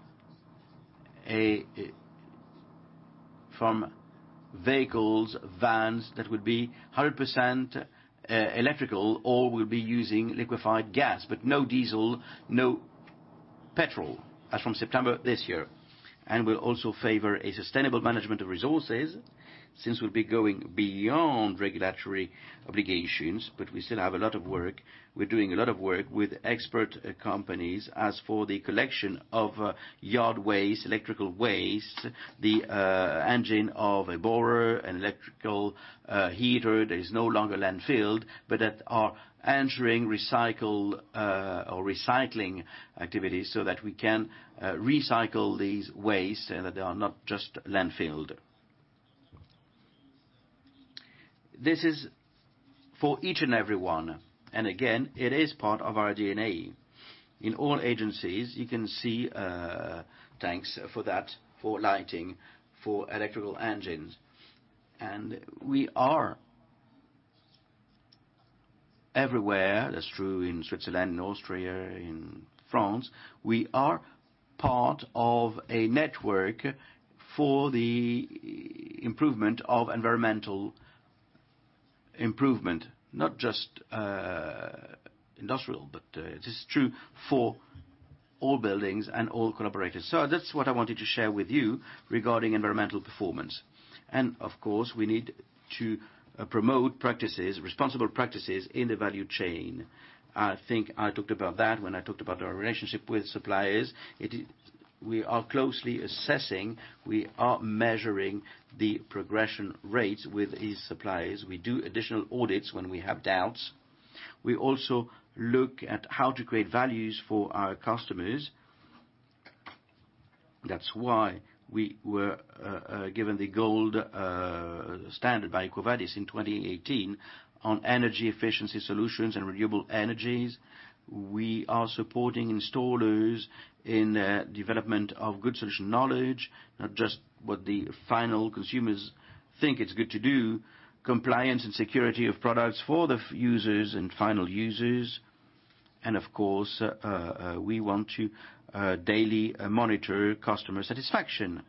vehicles, vans, that would be 100% electrical or will be using liquefied gas, but no diesel, no petrol as from September this year. We'll also favor a sustainable management of resources since we'll be going beyond regulatory obligations. We still have a lot of work. We're doing a lot of work with expert companies as for the collection of yard waste, electrical waste, the engine of a borer, an electrical heater that is no longer landfilled, but that are entering recycle or recycling activities so that we can recycle these waste and that they are not just landfilled. This is for each and everyone, and again, it is part of our DNA. In all agencies, you can see tanks for that, for lighting, for electrical engines. We are everywhere. That's true in Switzerland, Austria, in France. We are part of a network for the improvement of environmental improvement, not just industrial, but it is true for all buildings and all collaborators. That's what I wanted to share with you regarding environmental performance. Of course, we need to promote practices, responsible practices in the value chain. I think I talked about that when I talked about our relationship with suppliers. We are closely assessing, we are measuring the progression rates with these suppliers. We do additional audits when we have doubts. We also look at how to create values for our customers. That's why we were given the gold standard by EcoVadis in 2018 on energy efficiency solutions and renewable energies. We are supporting installers in development of good solution knowledge, not just what the final consumers think it's good to do, compliance and security of products for the users and final users. Of course, we want to daily monitor customer satisfaction.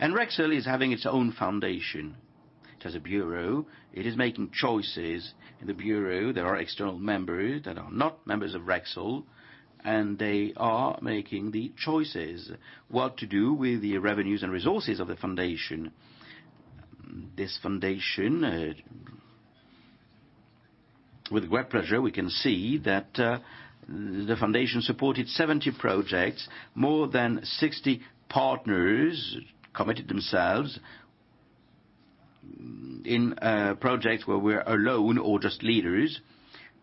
Rexel is having its own foundation. It has a bureau. It is making choices. In the bureau, there are external members that are not members of Rexel, and they are making the choices what to do with the revenues and resources of the foundation. This foundation, with great pleasure, we can see that the foundation supported 70 projects, more than 60 partners committed themselves in projects where we're alone or just leaders.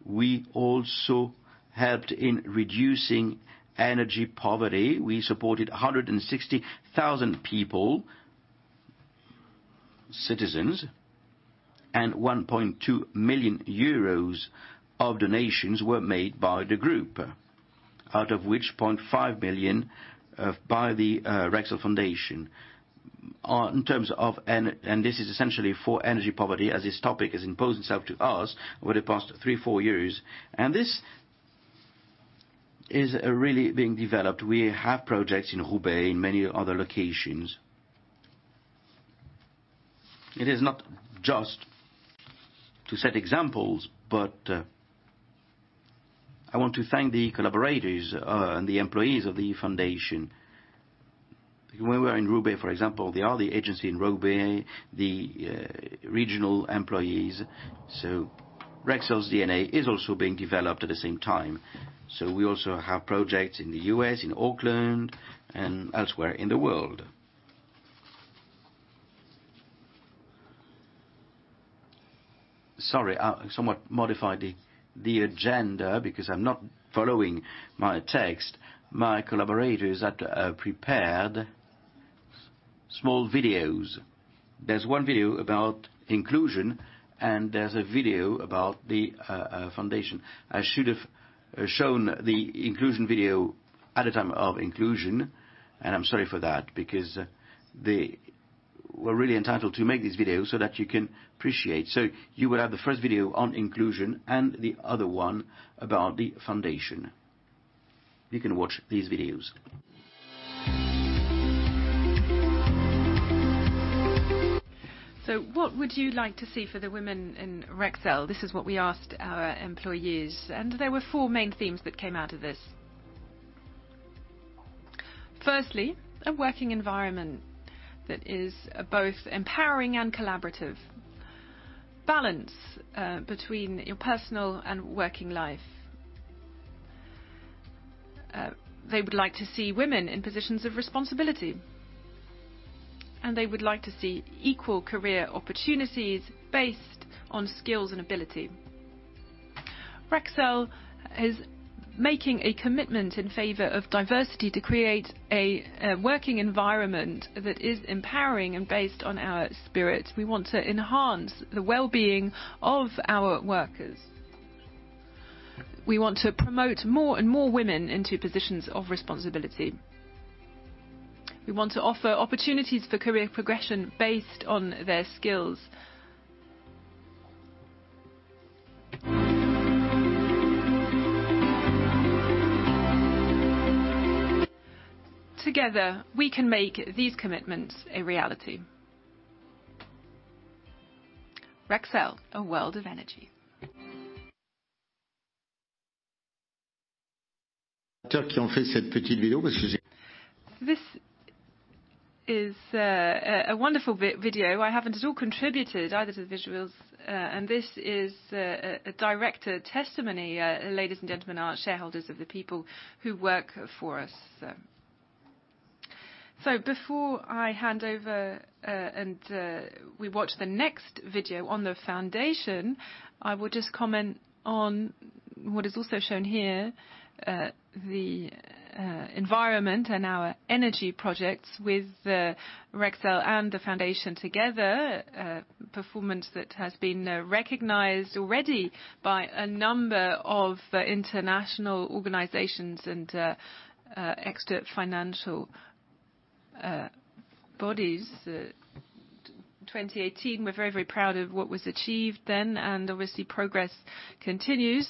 We also helped in reducing energy poverty. We supported 160,000 people, citizens, and 1.2 million euros of donations were made by the group, out of which 0.5 million by the Rexel Foundation. This is essentially for energy poverty as this topic has imposed itself to us over the past three, four years. This is really being developed. We have projects in Roubaix, in many other locations. It is not just to set examples, but I want to thank the collaborators and the employees of the foundation. When we are in Roubaix, for example, they are the agency in Roubaix, the regional employees. Rexel's DNA is also being developed at the same time. We also have projects in the U.S., in Oakland, and elsewhere in the world. Sorry, I somewhat modified the agenda because I'm not following my text. My collaborators had prepared small videos. There's one video about inclusion, and there's a video about the foundation. I should have shown the inclusion video at the time of inclusion, and I'm sorry for that because they were really entitled to make this video so that you can appreciate. You will have the first video on inclusion and the other one about the foundation. You can watch these videos. What would you like to see for the women in Rexel?" This is what we asked our employees, and there were four main themes that came out of this. Firstly, a working environment that is both empowering and collaborative. Balance between your personal and working life. They would like to see women in positions of responsibility, and they would like to see equal career opportunities based on skills and ability. Rexel is making a commitment in favor of diversity to create a working environment that is empowering and based on our spirit. We want to enhance the well-being of our workers. We want to promote more and more women into positions of responsibility. We want to offer opportunities for career progression based on their skills. Together, we can make these commitments a reality. Rexel, a world of energy. This is a wonderful video. I haven't at all contributed either to the visuals. This is a direct testimony, ladies and gentlemen, our shareholders are the people who work for us. Before I hand over and we watch the next video on the Rexel Foundation, I will just comment on what is also shown here, the environment and our energy projects with Rexel and the Rexel Foundation together, a performance that has been recognized already by a number of international organizations and extra-financial bodies. 2018, we're very proud of what was achieved then. Obviously progress continues.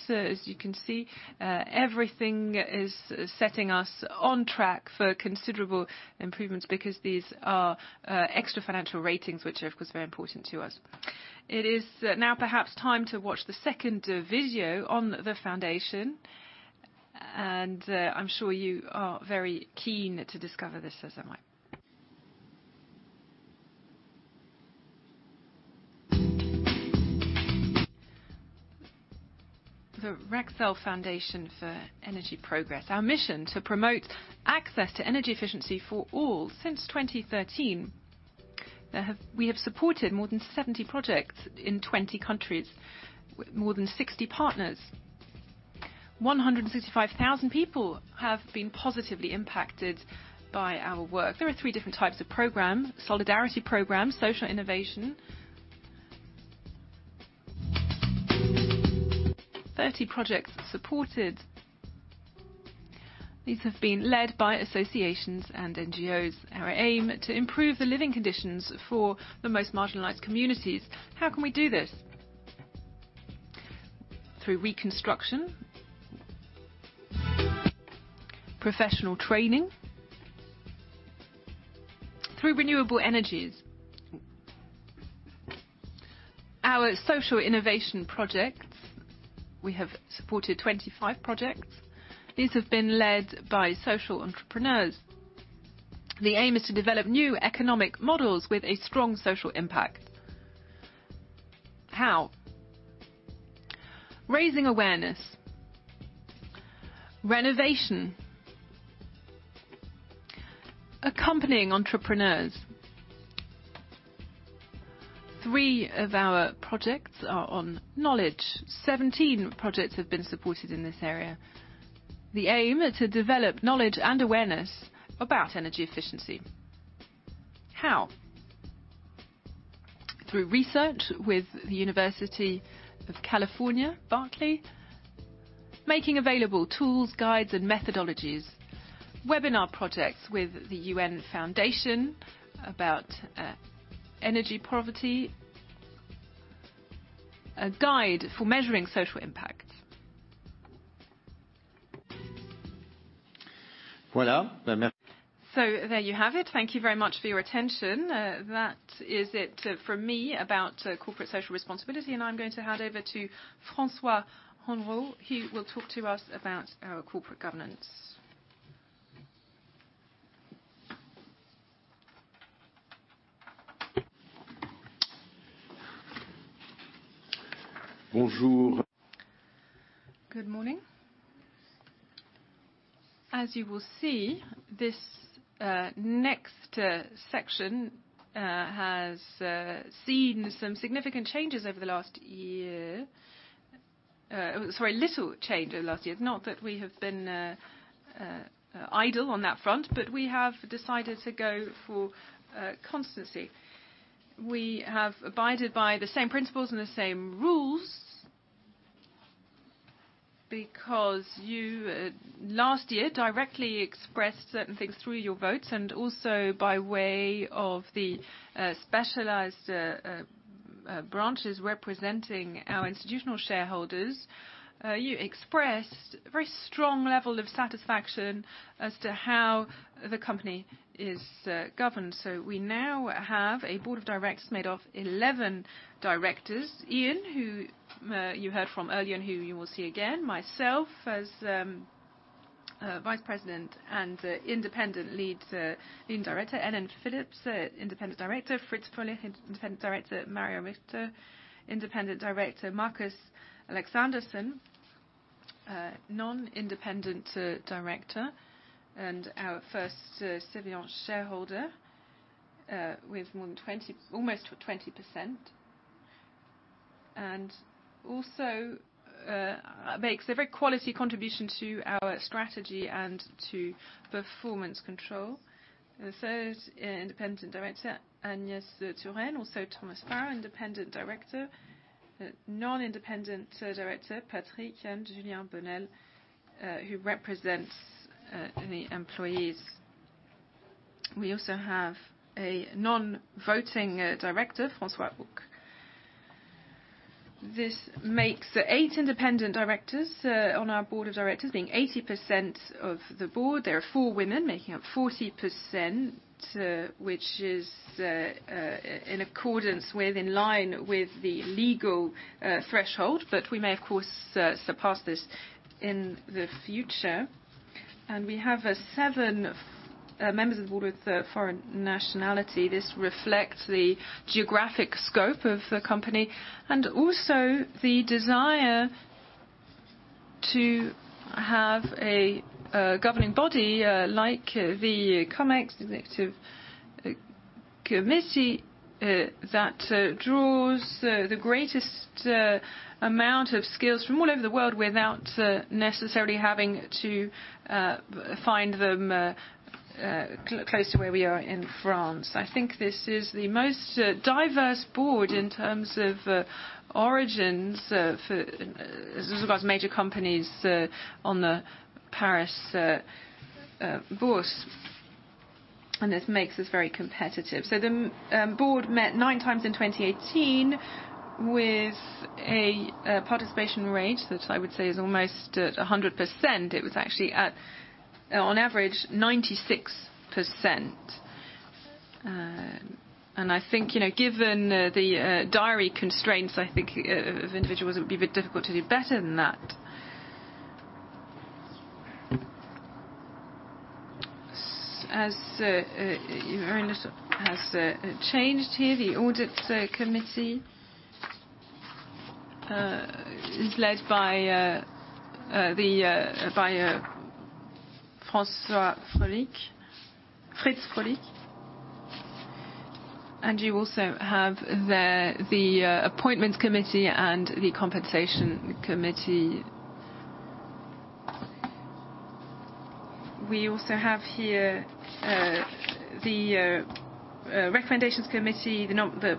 Everything is setting us on track for considerable improvements because these are extra-financial ratings, which are, of course, very important to us. Now perhaps time to watch the second video on the Rexel Foundation, and I'm sure you are very keen to discover this as am I. The Rexel Foundation for Energy Progress, our mission to promote access to energy efficiency for all. Since 2013, we have supported more than 70 projects in 20 countries with more than 60 partners. 165,000 people have been positively impacted by our work. There are 3 different types of programs: solidarity programs, social innovation. 30 projects supported. These have been led by associations and NGOs. Our aim, to improve the living conditions for the most marginalized communities. How can we do this? Through reconstruction professional training, through renewable energies. Our social innovation projects, we have supported 25 projects. These have been led by social entrepreneurs. The aim is to develop new economic models with a strong social impact. How? Raising awareness, renovation, accompanying entrepreneurs. Three of our projects are on knowledge. 17 projects have been supported in this area. The aim, to develop knowledge and awareness about energy efficiency. How? Through research with the University of California, Berkeley, making available tools, guides, and methodologies. Webinar projects with the UN Foundation about energy poverty. A guide for measuring social impact. There you have it. Thank you very much for your attention. That is it from me about corporate social responsibility, and I'm going to hand over to François Henrot. He will talk to us about our corporate governance. Good morning. You will see, this next section has seen some significant changes over the last year. Sorry, little change over the last year. Not that we have been idle on that front, we have decided to go for constancy. We have abided by the same principles and the same rules because you, last year, directly expressed certain things through your votes also by way of the specialized branches representing our institutional shareholders. You expressed a very strong level of satisfaction as to how the company is governed. We now have a board of directors made of 11 directors. Ian, who you heard from earlier and who you will see again, myself as Vice-President and Independent Lead Director, Elen Phillips, Independent Director, Fritz Froehlich, Independent Director, Maria Richter, Independent Director, Marcus Alexandersson, Non-Independent Director, our first significant shareholder with almost 20%, also makes a very quality contribution to our strategy and to performance control. The third Independent Director, Agnès Touraine, Thomas Farr, Independent Director. Non-Independent Director, Patrick, and Julien Bonnel, who represents the employees. We also have a Non-Voting Director, François Auque. This makes eight Independent Directors on our board of directors, being 80% of the board. There are four women making up 40%, which is in accordance with, in line with the legal threshold, but we may, of course, surpass this in the future. We have seven members of the board with a foreign nationality. This reflects the geographic scope of the company and also the desire to have a governing body like the Comex Executive Committee that draws the greatest amount of skills from all over the world without necessarily having to find them close to where we are in France. I think this is the most diverse board in terms of origins as regards major companies on the Paris bourse, and this makes us very competitive. The board met nine times in 2018 with a participation rate that I would say is almost at 100%. It was actually at, on average, 96%. I think, given the diary constraints, I think, of individuals, it would be a bit difficult to do better than that. As you know, very little has changed here. The audit committee is led by Fritz Froehlich, Fritz Froehlich. You also have the appointments committee and the compensation committee. We also have here the recommendations committee, the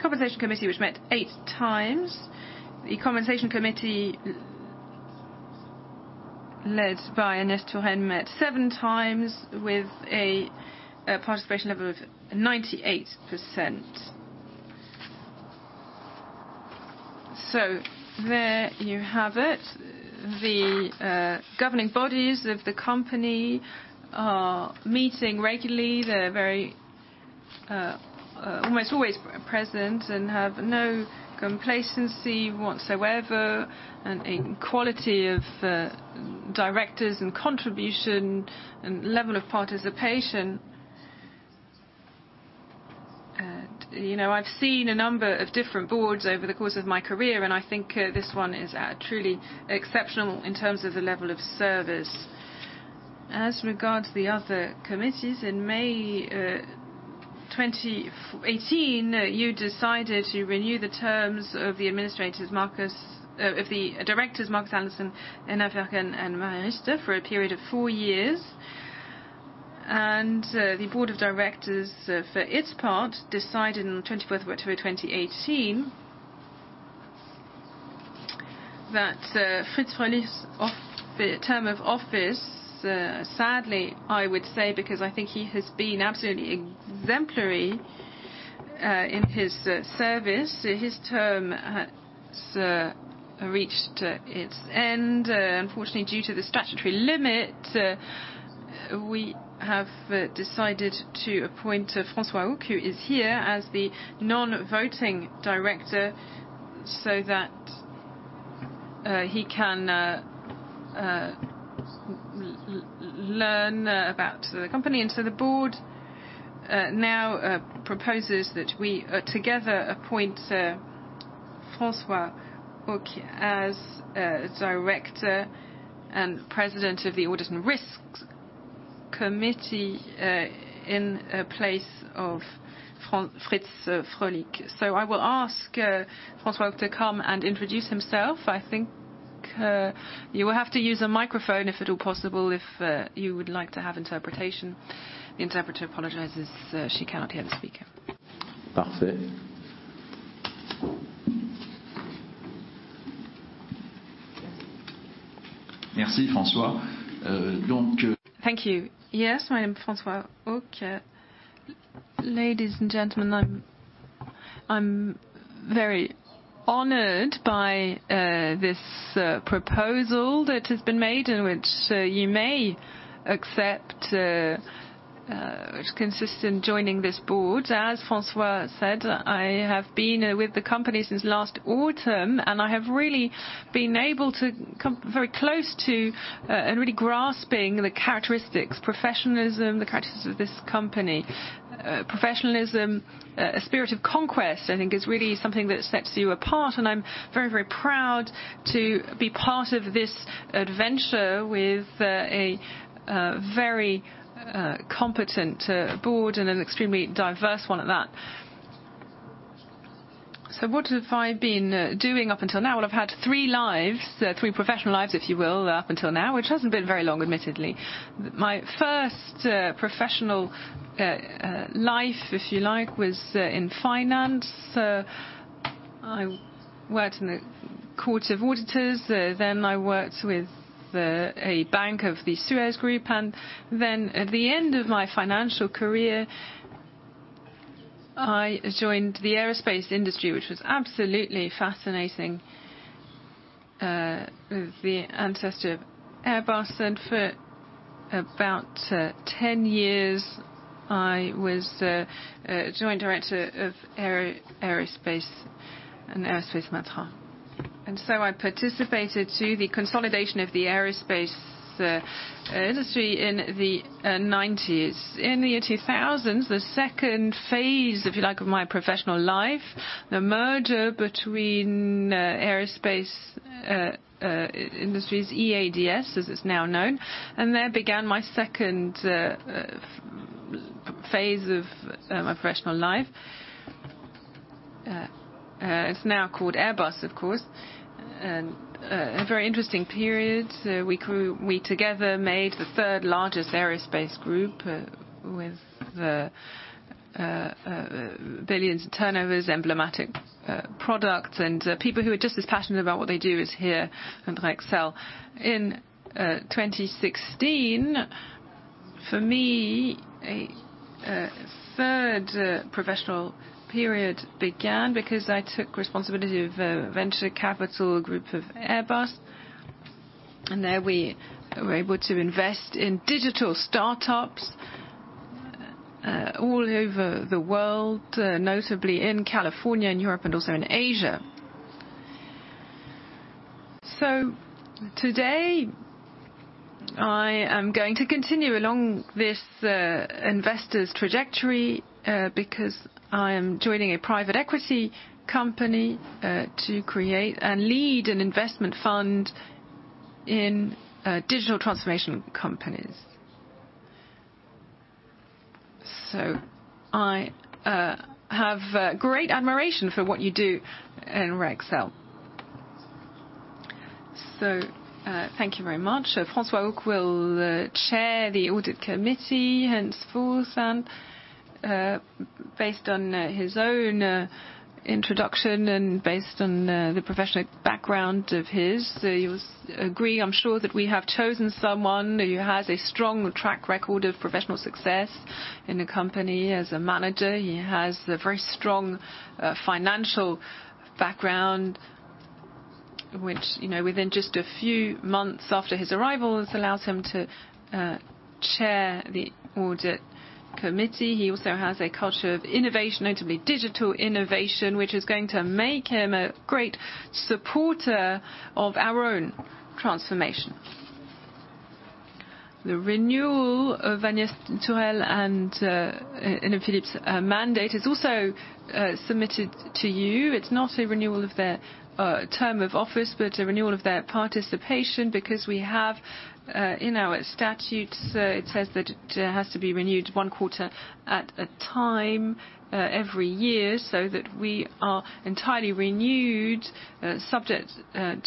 compensation committee, which met eight times. The compensation committee led by [Agnès Tourain] met seven times with a participation level of 98%. There you have it. The governing bodies of the company are meeting regularly. They're almost always present and have no complacency whatsoever, and a quality of directors and contribution and level of participation. I've seen a number of different boards over the course of my career, and I think this one is truly exceptional in terms of the level of service. As regards the other committees, in May 2018, you decided to renew the terms of the directors Marcus Alexanderson, Håkan Bergendahl, and Maria Richter for a period of four years. The board of directors, for its part, decided on the 24th of October 2018, that Fritz Froehlich's term of office, sadly, I would say because I think he has been absolutely exemplary in his service. His term has reached its end. Unfortunately, due to the statutory limit, we have decided to appoint François Henrot, who is here as the non-voting director so that he can learn about the company. The board now proposes that we together appoint François Auque as director and president of the Audit and Risks Committee in place of Fritz Froehlich. I will ask François Auque to come and introduce himself. I think you will have to use a microphone if at all possible, if you would like to have interpretation. The interpreter apologizes she cannot hear the speaker. Perfect. Merci, François. Thank you. Yes, my name is François Auque. Ladies and gentlemen, I'm very honored by this proposal that has been made and which you may accept, which consists in joining this board. As François said, I have been with the company since last autumn, and I have really been able to come very close to and really grasping the characteristics, professionalism, the characteristics of this company. Professionalism, a spirit of conquest, I think is really something that sets you apart. I'm very, very proud to be part of this adventure with a very competent board and an extremely diverse one at that. What have I been doing up until now? Well, I've had three professional lives, if you will, up until now, which hasn't been very long, admittedly. My first professional life, if you like, was in finance. I worked in the court of auditors. I worked with a bank of the Suez Group. At the end of my financial career, I joined the aerospace industry, which was absolutely fascinating, the ancestor of Airbus. For about 10 years, I was joint director of aerospace. I participated to the consolidation of the aerospace industry in the 1990s. In the 2000s, the second phase, if you like, of my professional life, the merger between aerospace industries, EADS, as it's now known, there began my second phase of my professional life. It's now called Airbus, of course. A very interesting period. We together made the third largest aerospace group with billions in turnovers, emblematic products, and people who are just as passionate about what they do as here at Rexel. In 2016, for me, a third professional period began because I took responsibility of a venture capital group of Airbus. There we were able to invest in digital startups all over the world, notably in California and Europe, and also in Asia. Today, I am going to continue along this investor's trajectory, because I am joining a private equity company to create and lead an investment fund in digital transformation companies. I have great admiration for what you do in Rexel. Thank you very much. François Auque will chair the audit committee, henceforth, based on his own introduction and based on the professional background of his, you'll agree, I'm sure, that we have chosen someone who has a strong track record of professional success in the company as a manager. He has a very strong financial background, which within just a few months after his arrival, has allowed him to chair the audit committee. He also has a culture of innovation, notably digital innovation, which is going to make him a great supporter of our own transformation. The renewal of Agnès Touraine and Hélène Ploix' mandate is also submitted to you. It's not a renewal of their term of office, but a renewal of their participation, because we have in our statutes it says that it has to be renewed one quarter at a time every year, so that we are entirely renewed subject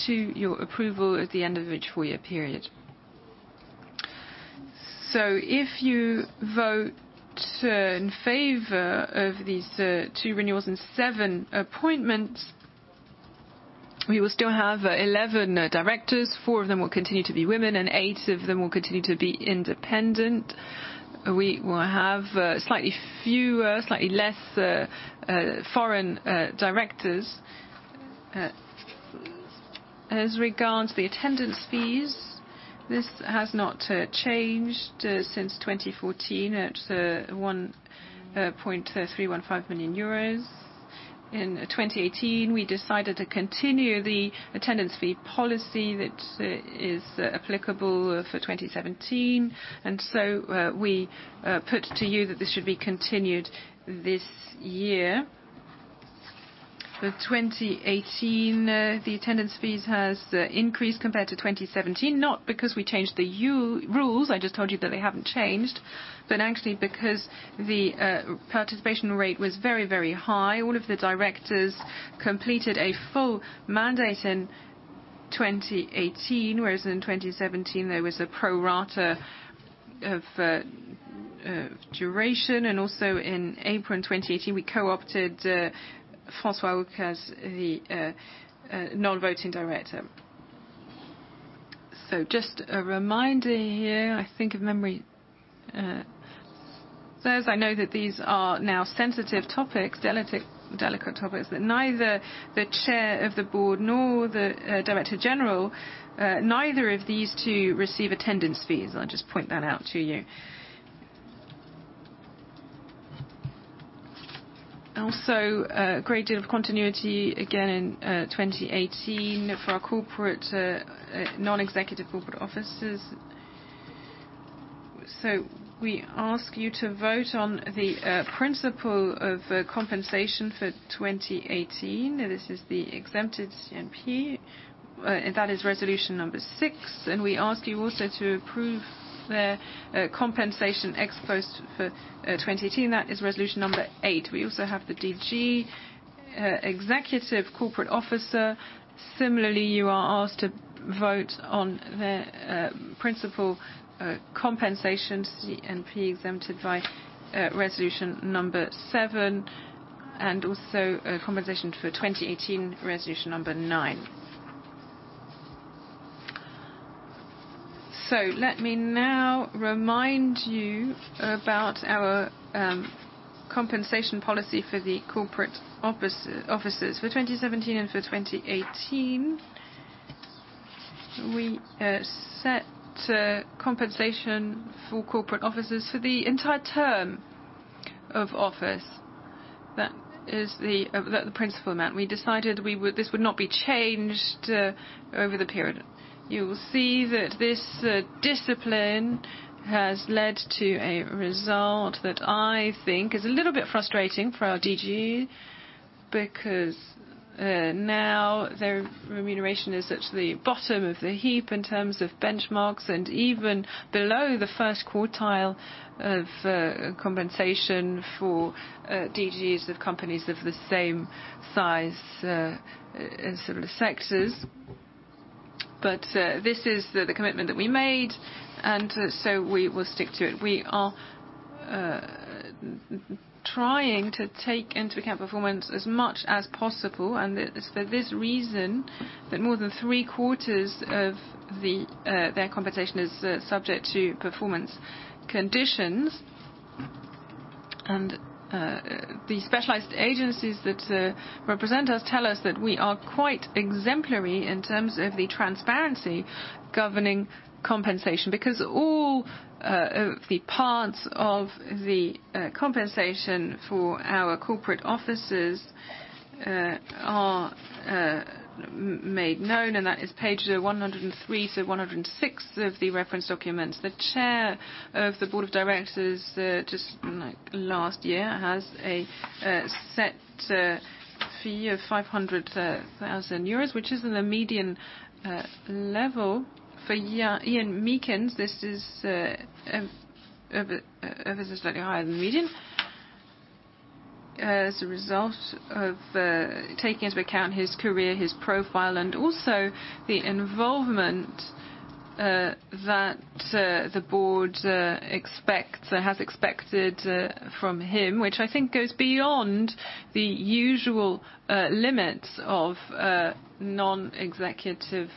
to your approval at the end of each four-year period. If you vote in favor of these two renewals and seven appointments, we will still have 11 directors, four of them will continue to be women, and eight of them will continue to be independent. We will have slightly less foreign directors. As regards the attendance fees, this has not changed since 2014 at 1.315 million euros. In 2018, we decided to continue the attendance fee policy that is applicable for 2017. We put to you that this should be continued this year. The 2018, the attendance fees has increased compared to 2017, not because we changed the rules, I just told you that they haven't changed, but actually because the participation rate was very high. All of the directors completed a full mandate in 2018, whereas in 2017, there was a pro rata of duration. Also in April 2018, we co-opted François Auque as the non-voting director. Just a reminder here, I think of memory. As I know that these are now sensitive topics, delicate topics, that neither the chair of the board nor the director general, neither of these two receive attendance fees. I'll just point that out to you. Also, a great deal of continuity again in 2018 for our non-executive corporate officers. We ask you to vote on the principle of compensation for 2018. This is the exempted CMP, that is resolution number 6. We ask you also to approve their compensation ex-post for 2018. That is resolution number 8. We also have the DG executive corporate officer. Similarly, you are asked to vote on their principal compensations, CMP exempted by resolution number 7, and also compensation for 2018, resolution number 9. Let me now remind you about our compensation policy for the corporate officers. For 2017 and for 2018, we set compensation for corporate officers for the entire term of office. That is the principal amount. We decided this would not be changed over the period. You will see that this discipline has led to a result that I think is a little bit frustrating for our DG, because now their remuneration is at the bottom of the heap in terms of benchmarks, and even below the first quartile of compensation for DGs of companies of the same size and similar sectors. This is the commitment that we made, and so we will stick to it. We are trying to take into account performance as much as possible, and it is for this reason that more than three quarters of their compensation is subject to performance conditions. The specialized agencies that represent us tell us that we are quite exemplary in terms of the transparency governing compensation, because all the parts of the compensation for our corporate officers are made known, and that is pages 103 to 106 of the reference documents. The Chair of the Board of Directors, just last year, has a set fee of 500,000 euros, which is in the median level. For Ian Meakins, this is slightly higher than the median as a result of taking into account his career, his profile, and also the involvement that the Board has expected from him, which I think goes beyond the usual limits of non-executive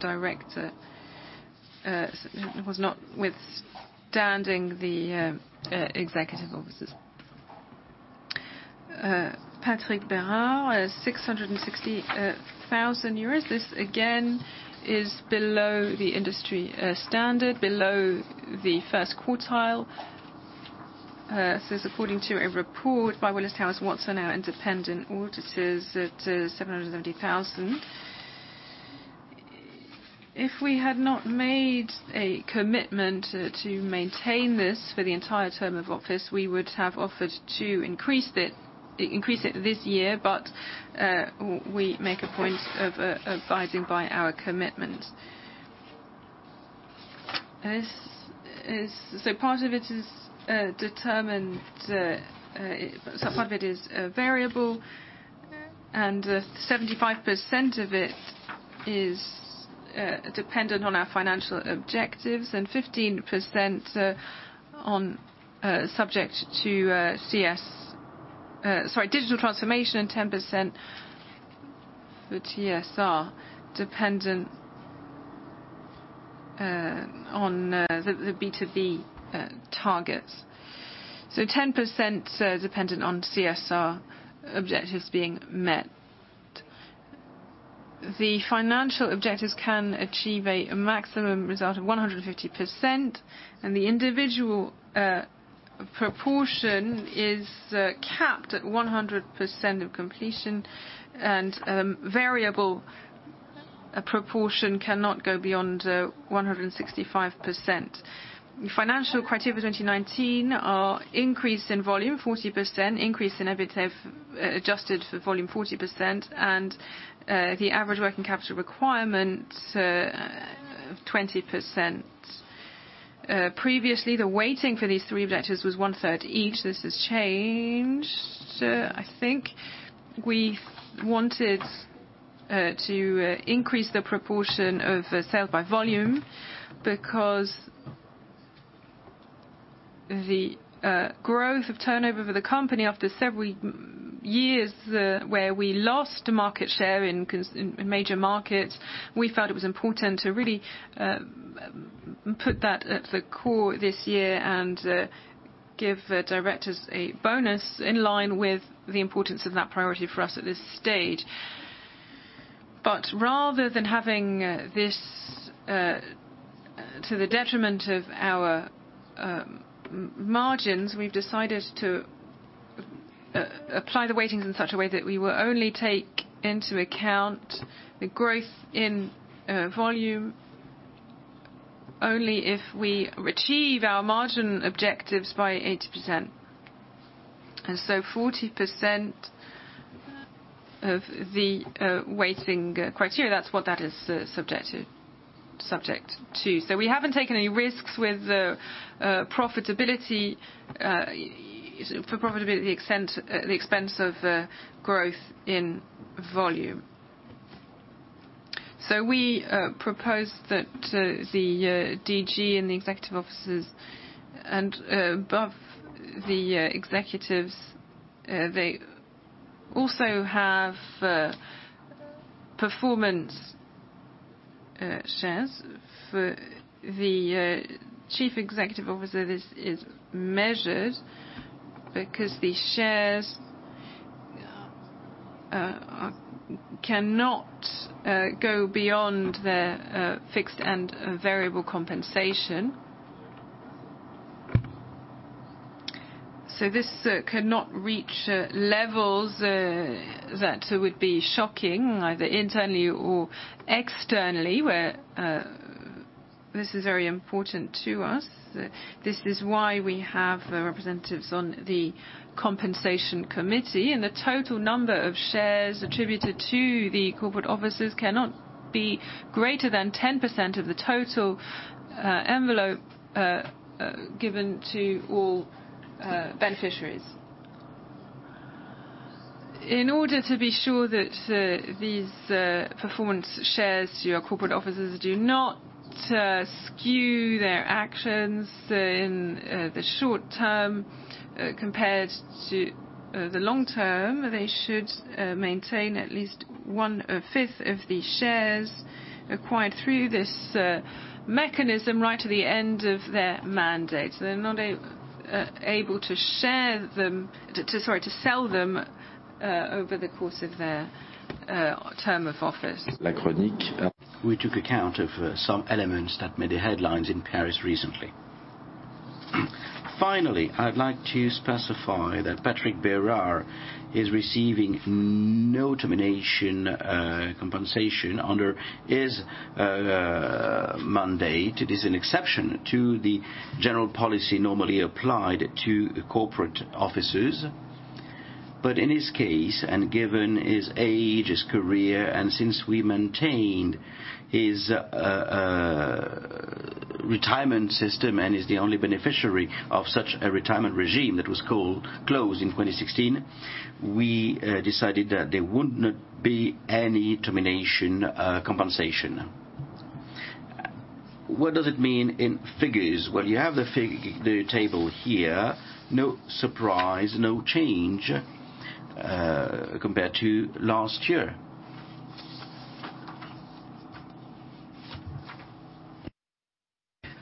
director, notwithstanding the executive officers. Patrick Berard, 660,000 euros. This, again, is below the industry standard, below the first quartile. According to a report by Willis Towers Watson, our independent auditors, it is 770,000. If we had not made a commitment to maintain this for the entire term of office, we would have offered to increase it this year. We make a point of abiding by our commitment. Part of it is variable, and 75% of it is dependent on our financial objectives and 15% subject to digital transformation and 10% for TSR, dependent on the B2B targets. 10% dependent on CSR objectives being met. The financial objectives can achieve a maximum result of 150%, and the individual proportion is capped at 100% of completion, and variable proportion cannot go beyond 165%. The financial criteria for 2019 are increase in volume, 40%, increase in EBITDA adjusted for volume 40%, and the average working capital requirement 20%. Previously, the weighting for these three objectives was one third each. This has changed. I think we wanted to increase the proportion of sales by volume because the growth of turnover for the company after several years where we lost market share in major markets, we felt it was important to really put that at the core this year and give directors a bonus in line with the importance of that priority for us at this stage. Rather than having this to the detriment of our margins, we've decided to apply the weightings in such a way that we will only take into account the growth in volume only if we achieve our margin objectives by 80%. 40% of the weighting criteria, that's what that is subject to. We haven't taken any risks with profitability at the expense of growth in volume. We propose that the DG and the executive officers and above, the executives, they also have performance shares for the Chief Executive Officer is measured because the shares cannot go beyond their fixed and variable compensation. This could not reach levels that would be shocking either internally or externally, where this is very important to us. This is why we have representatives on the Compensation Committee, and the total number of shares attributed to the corporate officers cannot be greater than 10% of the total envelope given to all beneficiaries. In order to be sure that these performance shares to your corporate officers do not skew their actions in the short term compared to the long term, they should maintain at least one-fifth of the shares acquired through this mechanism right to the end of their mandate. They're not able to sell them over the course of their term of office. We took account of some elements that made the headlines in Paris recently. Finally, I would like to specify that Patrick Berard is receiving no termination compensation under his mandate. It is an exception to the general policy normally applied to corporate officers. In his case, and given his age, his career, and since we maintained his retirement system and is the only beneficiary of such a retirement regime that was closed in 2016, we decided that there would not be any termination compensation. What does it mean in figures? Well, you have the table here. No surprise, no change compared to last year.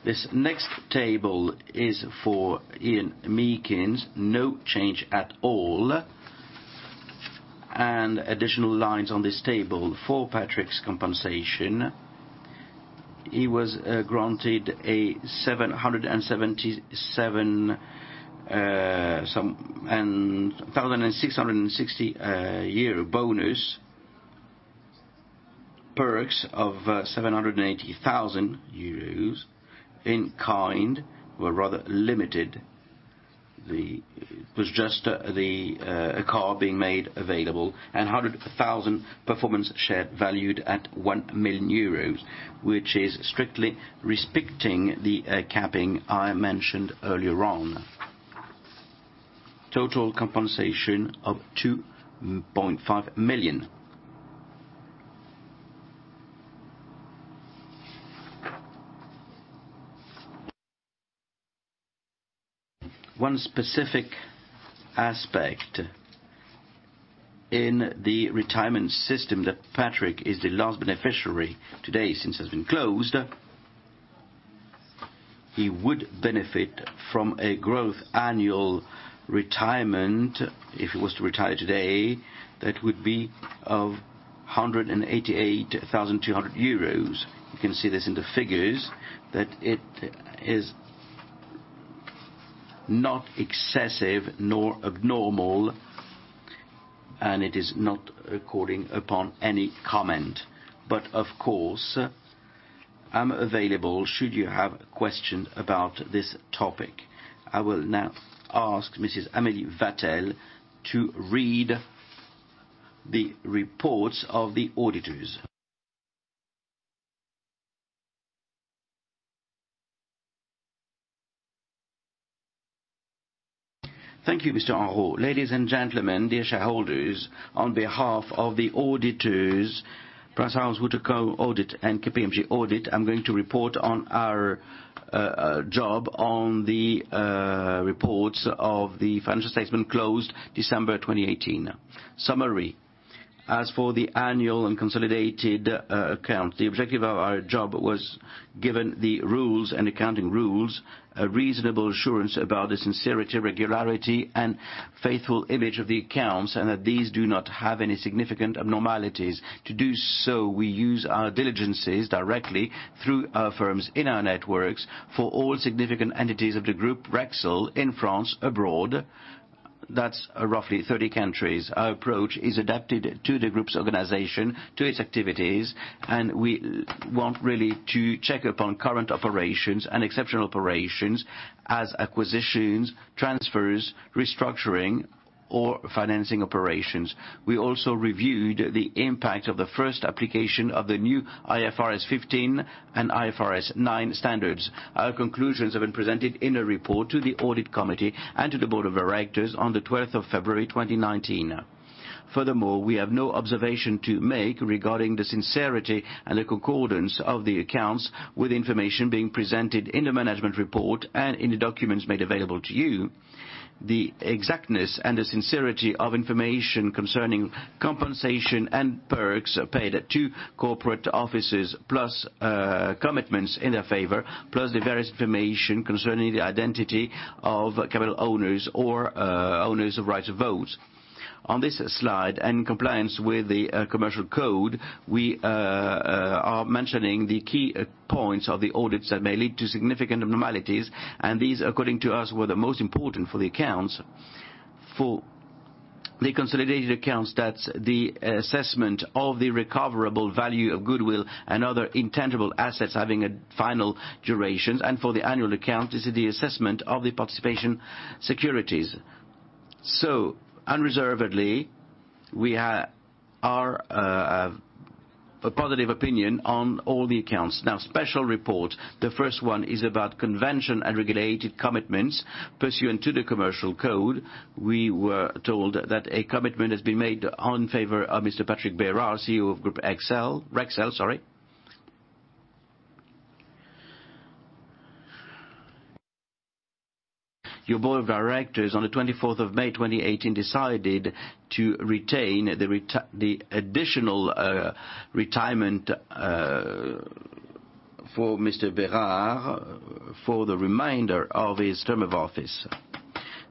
This next table is for Ian Meakins. No change at all. Additional lines on this table for Patrick's compensation. He was granted a 777,660 year bonus. Perks of 780,000 euros in kind were rather limited. It was just a car being made available, 100,000 performance share valued at 1 million euros, which is strictly respecting the capping I mentioned earlier on. Total compensation of EUR 2.5 million. One specific aspect in the retirement system that Patrick is the last beneficiary today since it has been closed, he would benefit from a growth annual retirement if he was to retire today, that would be of 188,200 euros. You can see this in the figures that it is not excessive nor abnormal, and it is not calling upon any comment. Of course, I'm available should you have questions about this topic. I will now ask Mrs. Amélie Varin to read the reports of the auditors. Thank you, Mr. Henrot. Ladies and gentlemen, dear shareholders, on behalf of the auditors, PricewaterhouseCoopers Audit and KPMG Audit, I'm going to report on our job on the reports of the financial statement closed December 2018. Summary. As for the annual and consolidated account, the objective of our job was given the rules and accounting rules, a reasonable assurance about the sincerity, regularity, and faithful image of the accounts, and that these do not have any significant abnormalities. To do so, we use our diligences directly through our firms in our networks for all significant entities of the group Rexel in France, abroad. That's roughly 30 countries. Our approach is adapted to the group's organization, to its activities, and we want really to check upon current operations and exceptional operations as acquisitions, transfers, restructuring, or financing operations. We also reviewed the impact of the first application of the new IFRS 15 and IFRS 9 standards. Our conclusions have been presented in a report to the audit committee and to the board of directors on the 12th of February 2019. Furthermore, we have no observation to make regarding the sincerity and the concordance of the accounts with information being presented in the management report and in the documents made available to you. The exactness and the sincerity of information concerning compensation and perks paid to corporate offices, plus commitments in their favor, plus the various information concerning the identity of capital owners or owners of right of vote. On this slide, in compliance with the commercial code, we are mentioning the key points of the audits that may lead to significant abnormalities, and these, according to us, were the most important for the accounts. For the consolidated accounts, that's the assessment of the recoverable value of goodwill and other intangible assets having final durations, and for the annual account, this is the assessment of the participation securities. Unreservedly, we are a positive opinion on all the accounts. Special report. The first one is about convention and regulated commitments. Pursuant to the commercial code, we were told that a commitment has been made in favor of Mr. Patrick Berard, CEO of Group Rexel. Your board of directors on the 24th of May 2018, decided to retain the additional retirement for Mr. Berard for the remainder of his term of office.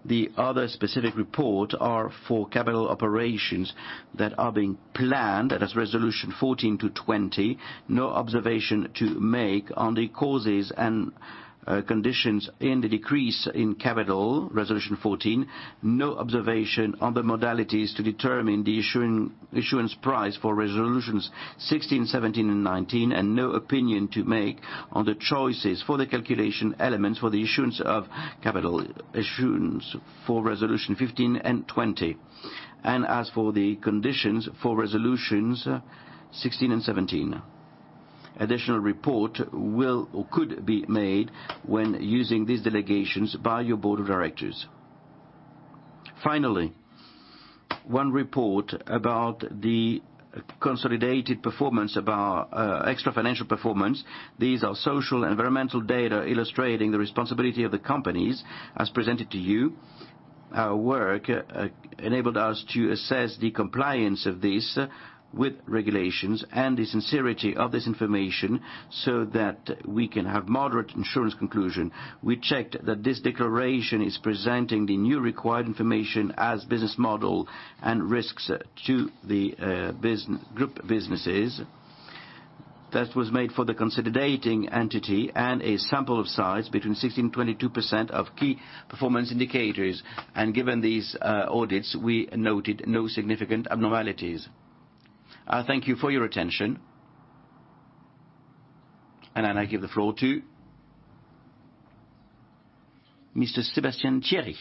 The other specific report are for capital operations that are being planned, and as Resolution 14 to 20, no observation to make on the causes and conditions in the decrease in capital, Resolution 14. No observation on the modalities to determine the issuance price for Resolutions 16, 17, and 19, no opinion to make on the choices for the calculation elements for the issuance of capital issuance for Resolution 15 and 20. As for the conditions for Resolutions 16 and 17. Additional report could be made when using these delegations by your board of directors. Finally, one report about the consolidated performance about extra-financial performance. These are social-environmental data illustrating the responsibility of the companies as presented to you. Our work enabled us to assess the compliance of this with regulations and the sincerity of this information so that we can have moderate insurance conclusion. We checked that this declaration is presenting the new required information as business model and risks to the group businesses. That was made for the consolidating entity and a sample of size between 16%-22% of key performance indicators. Given these audits, we noted no significant abnormalities. Thank you for your attention. I now give the floor to Mr. Sébastien Thierry.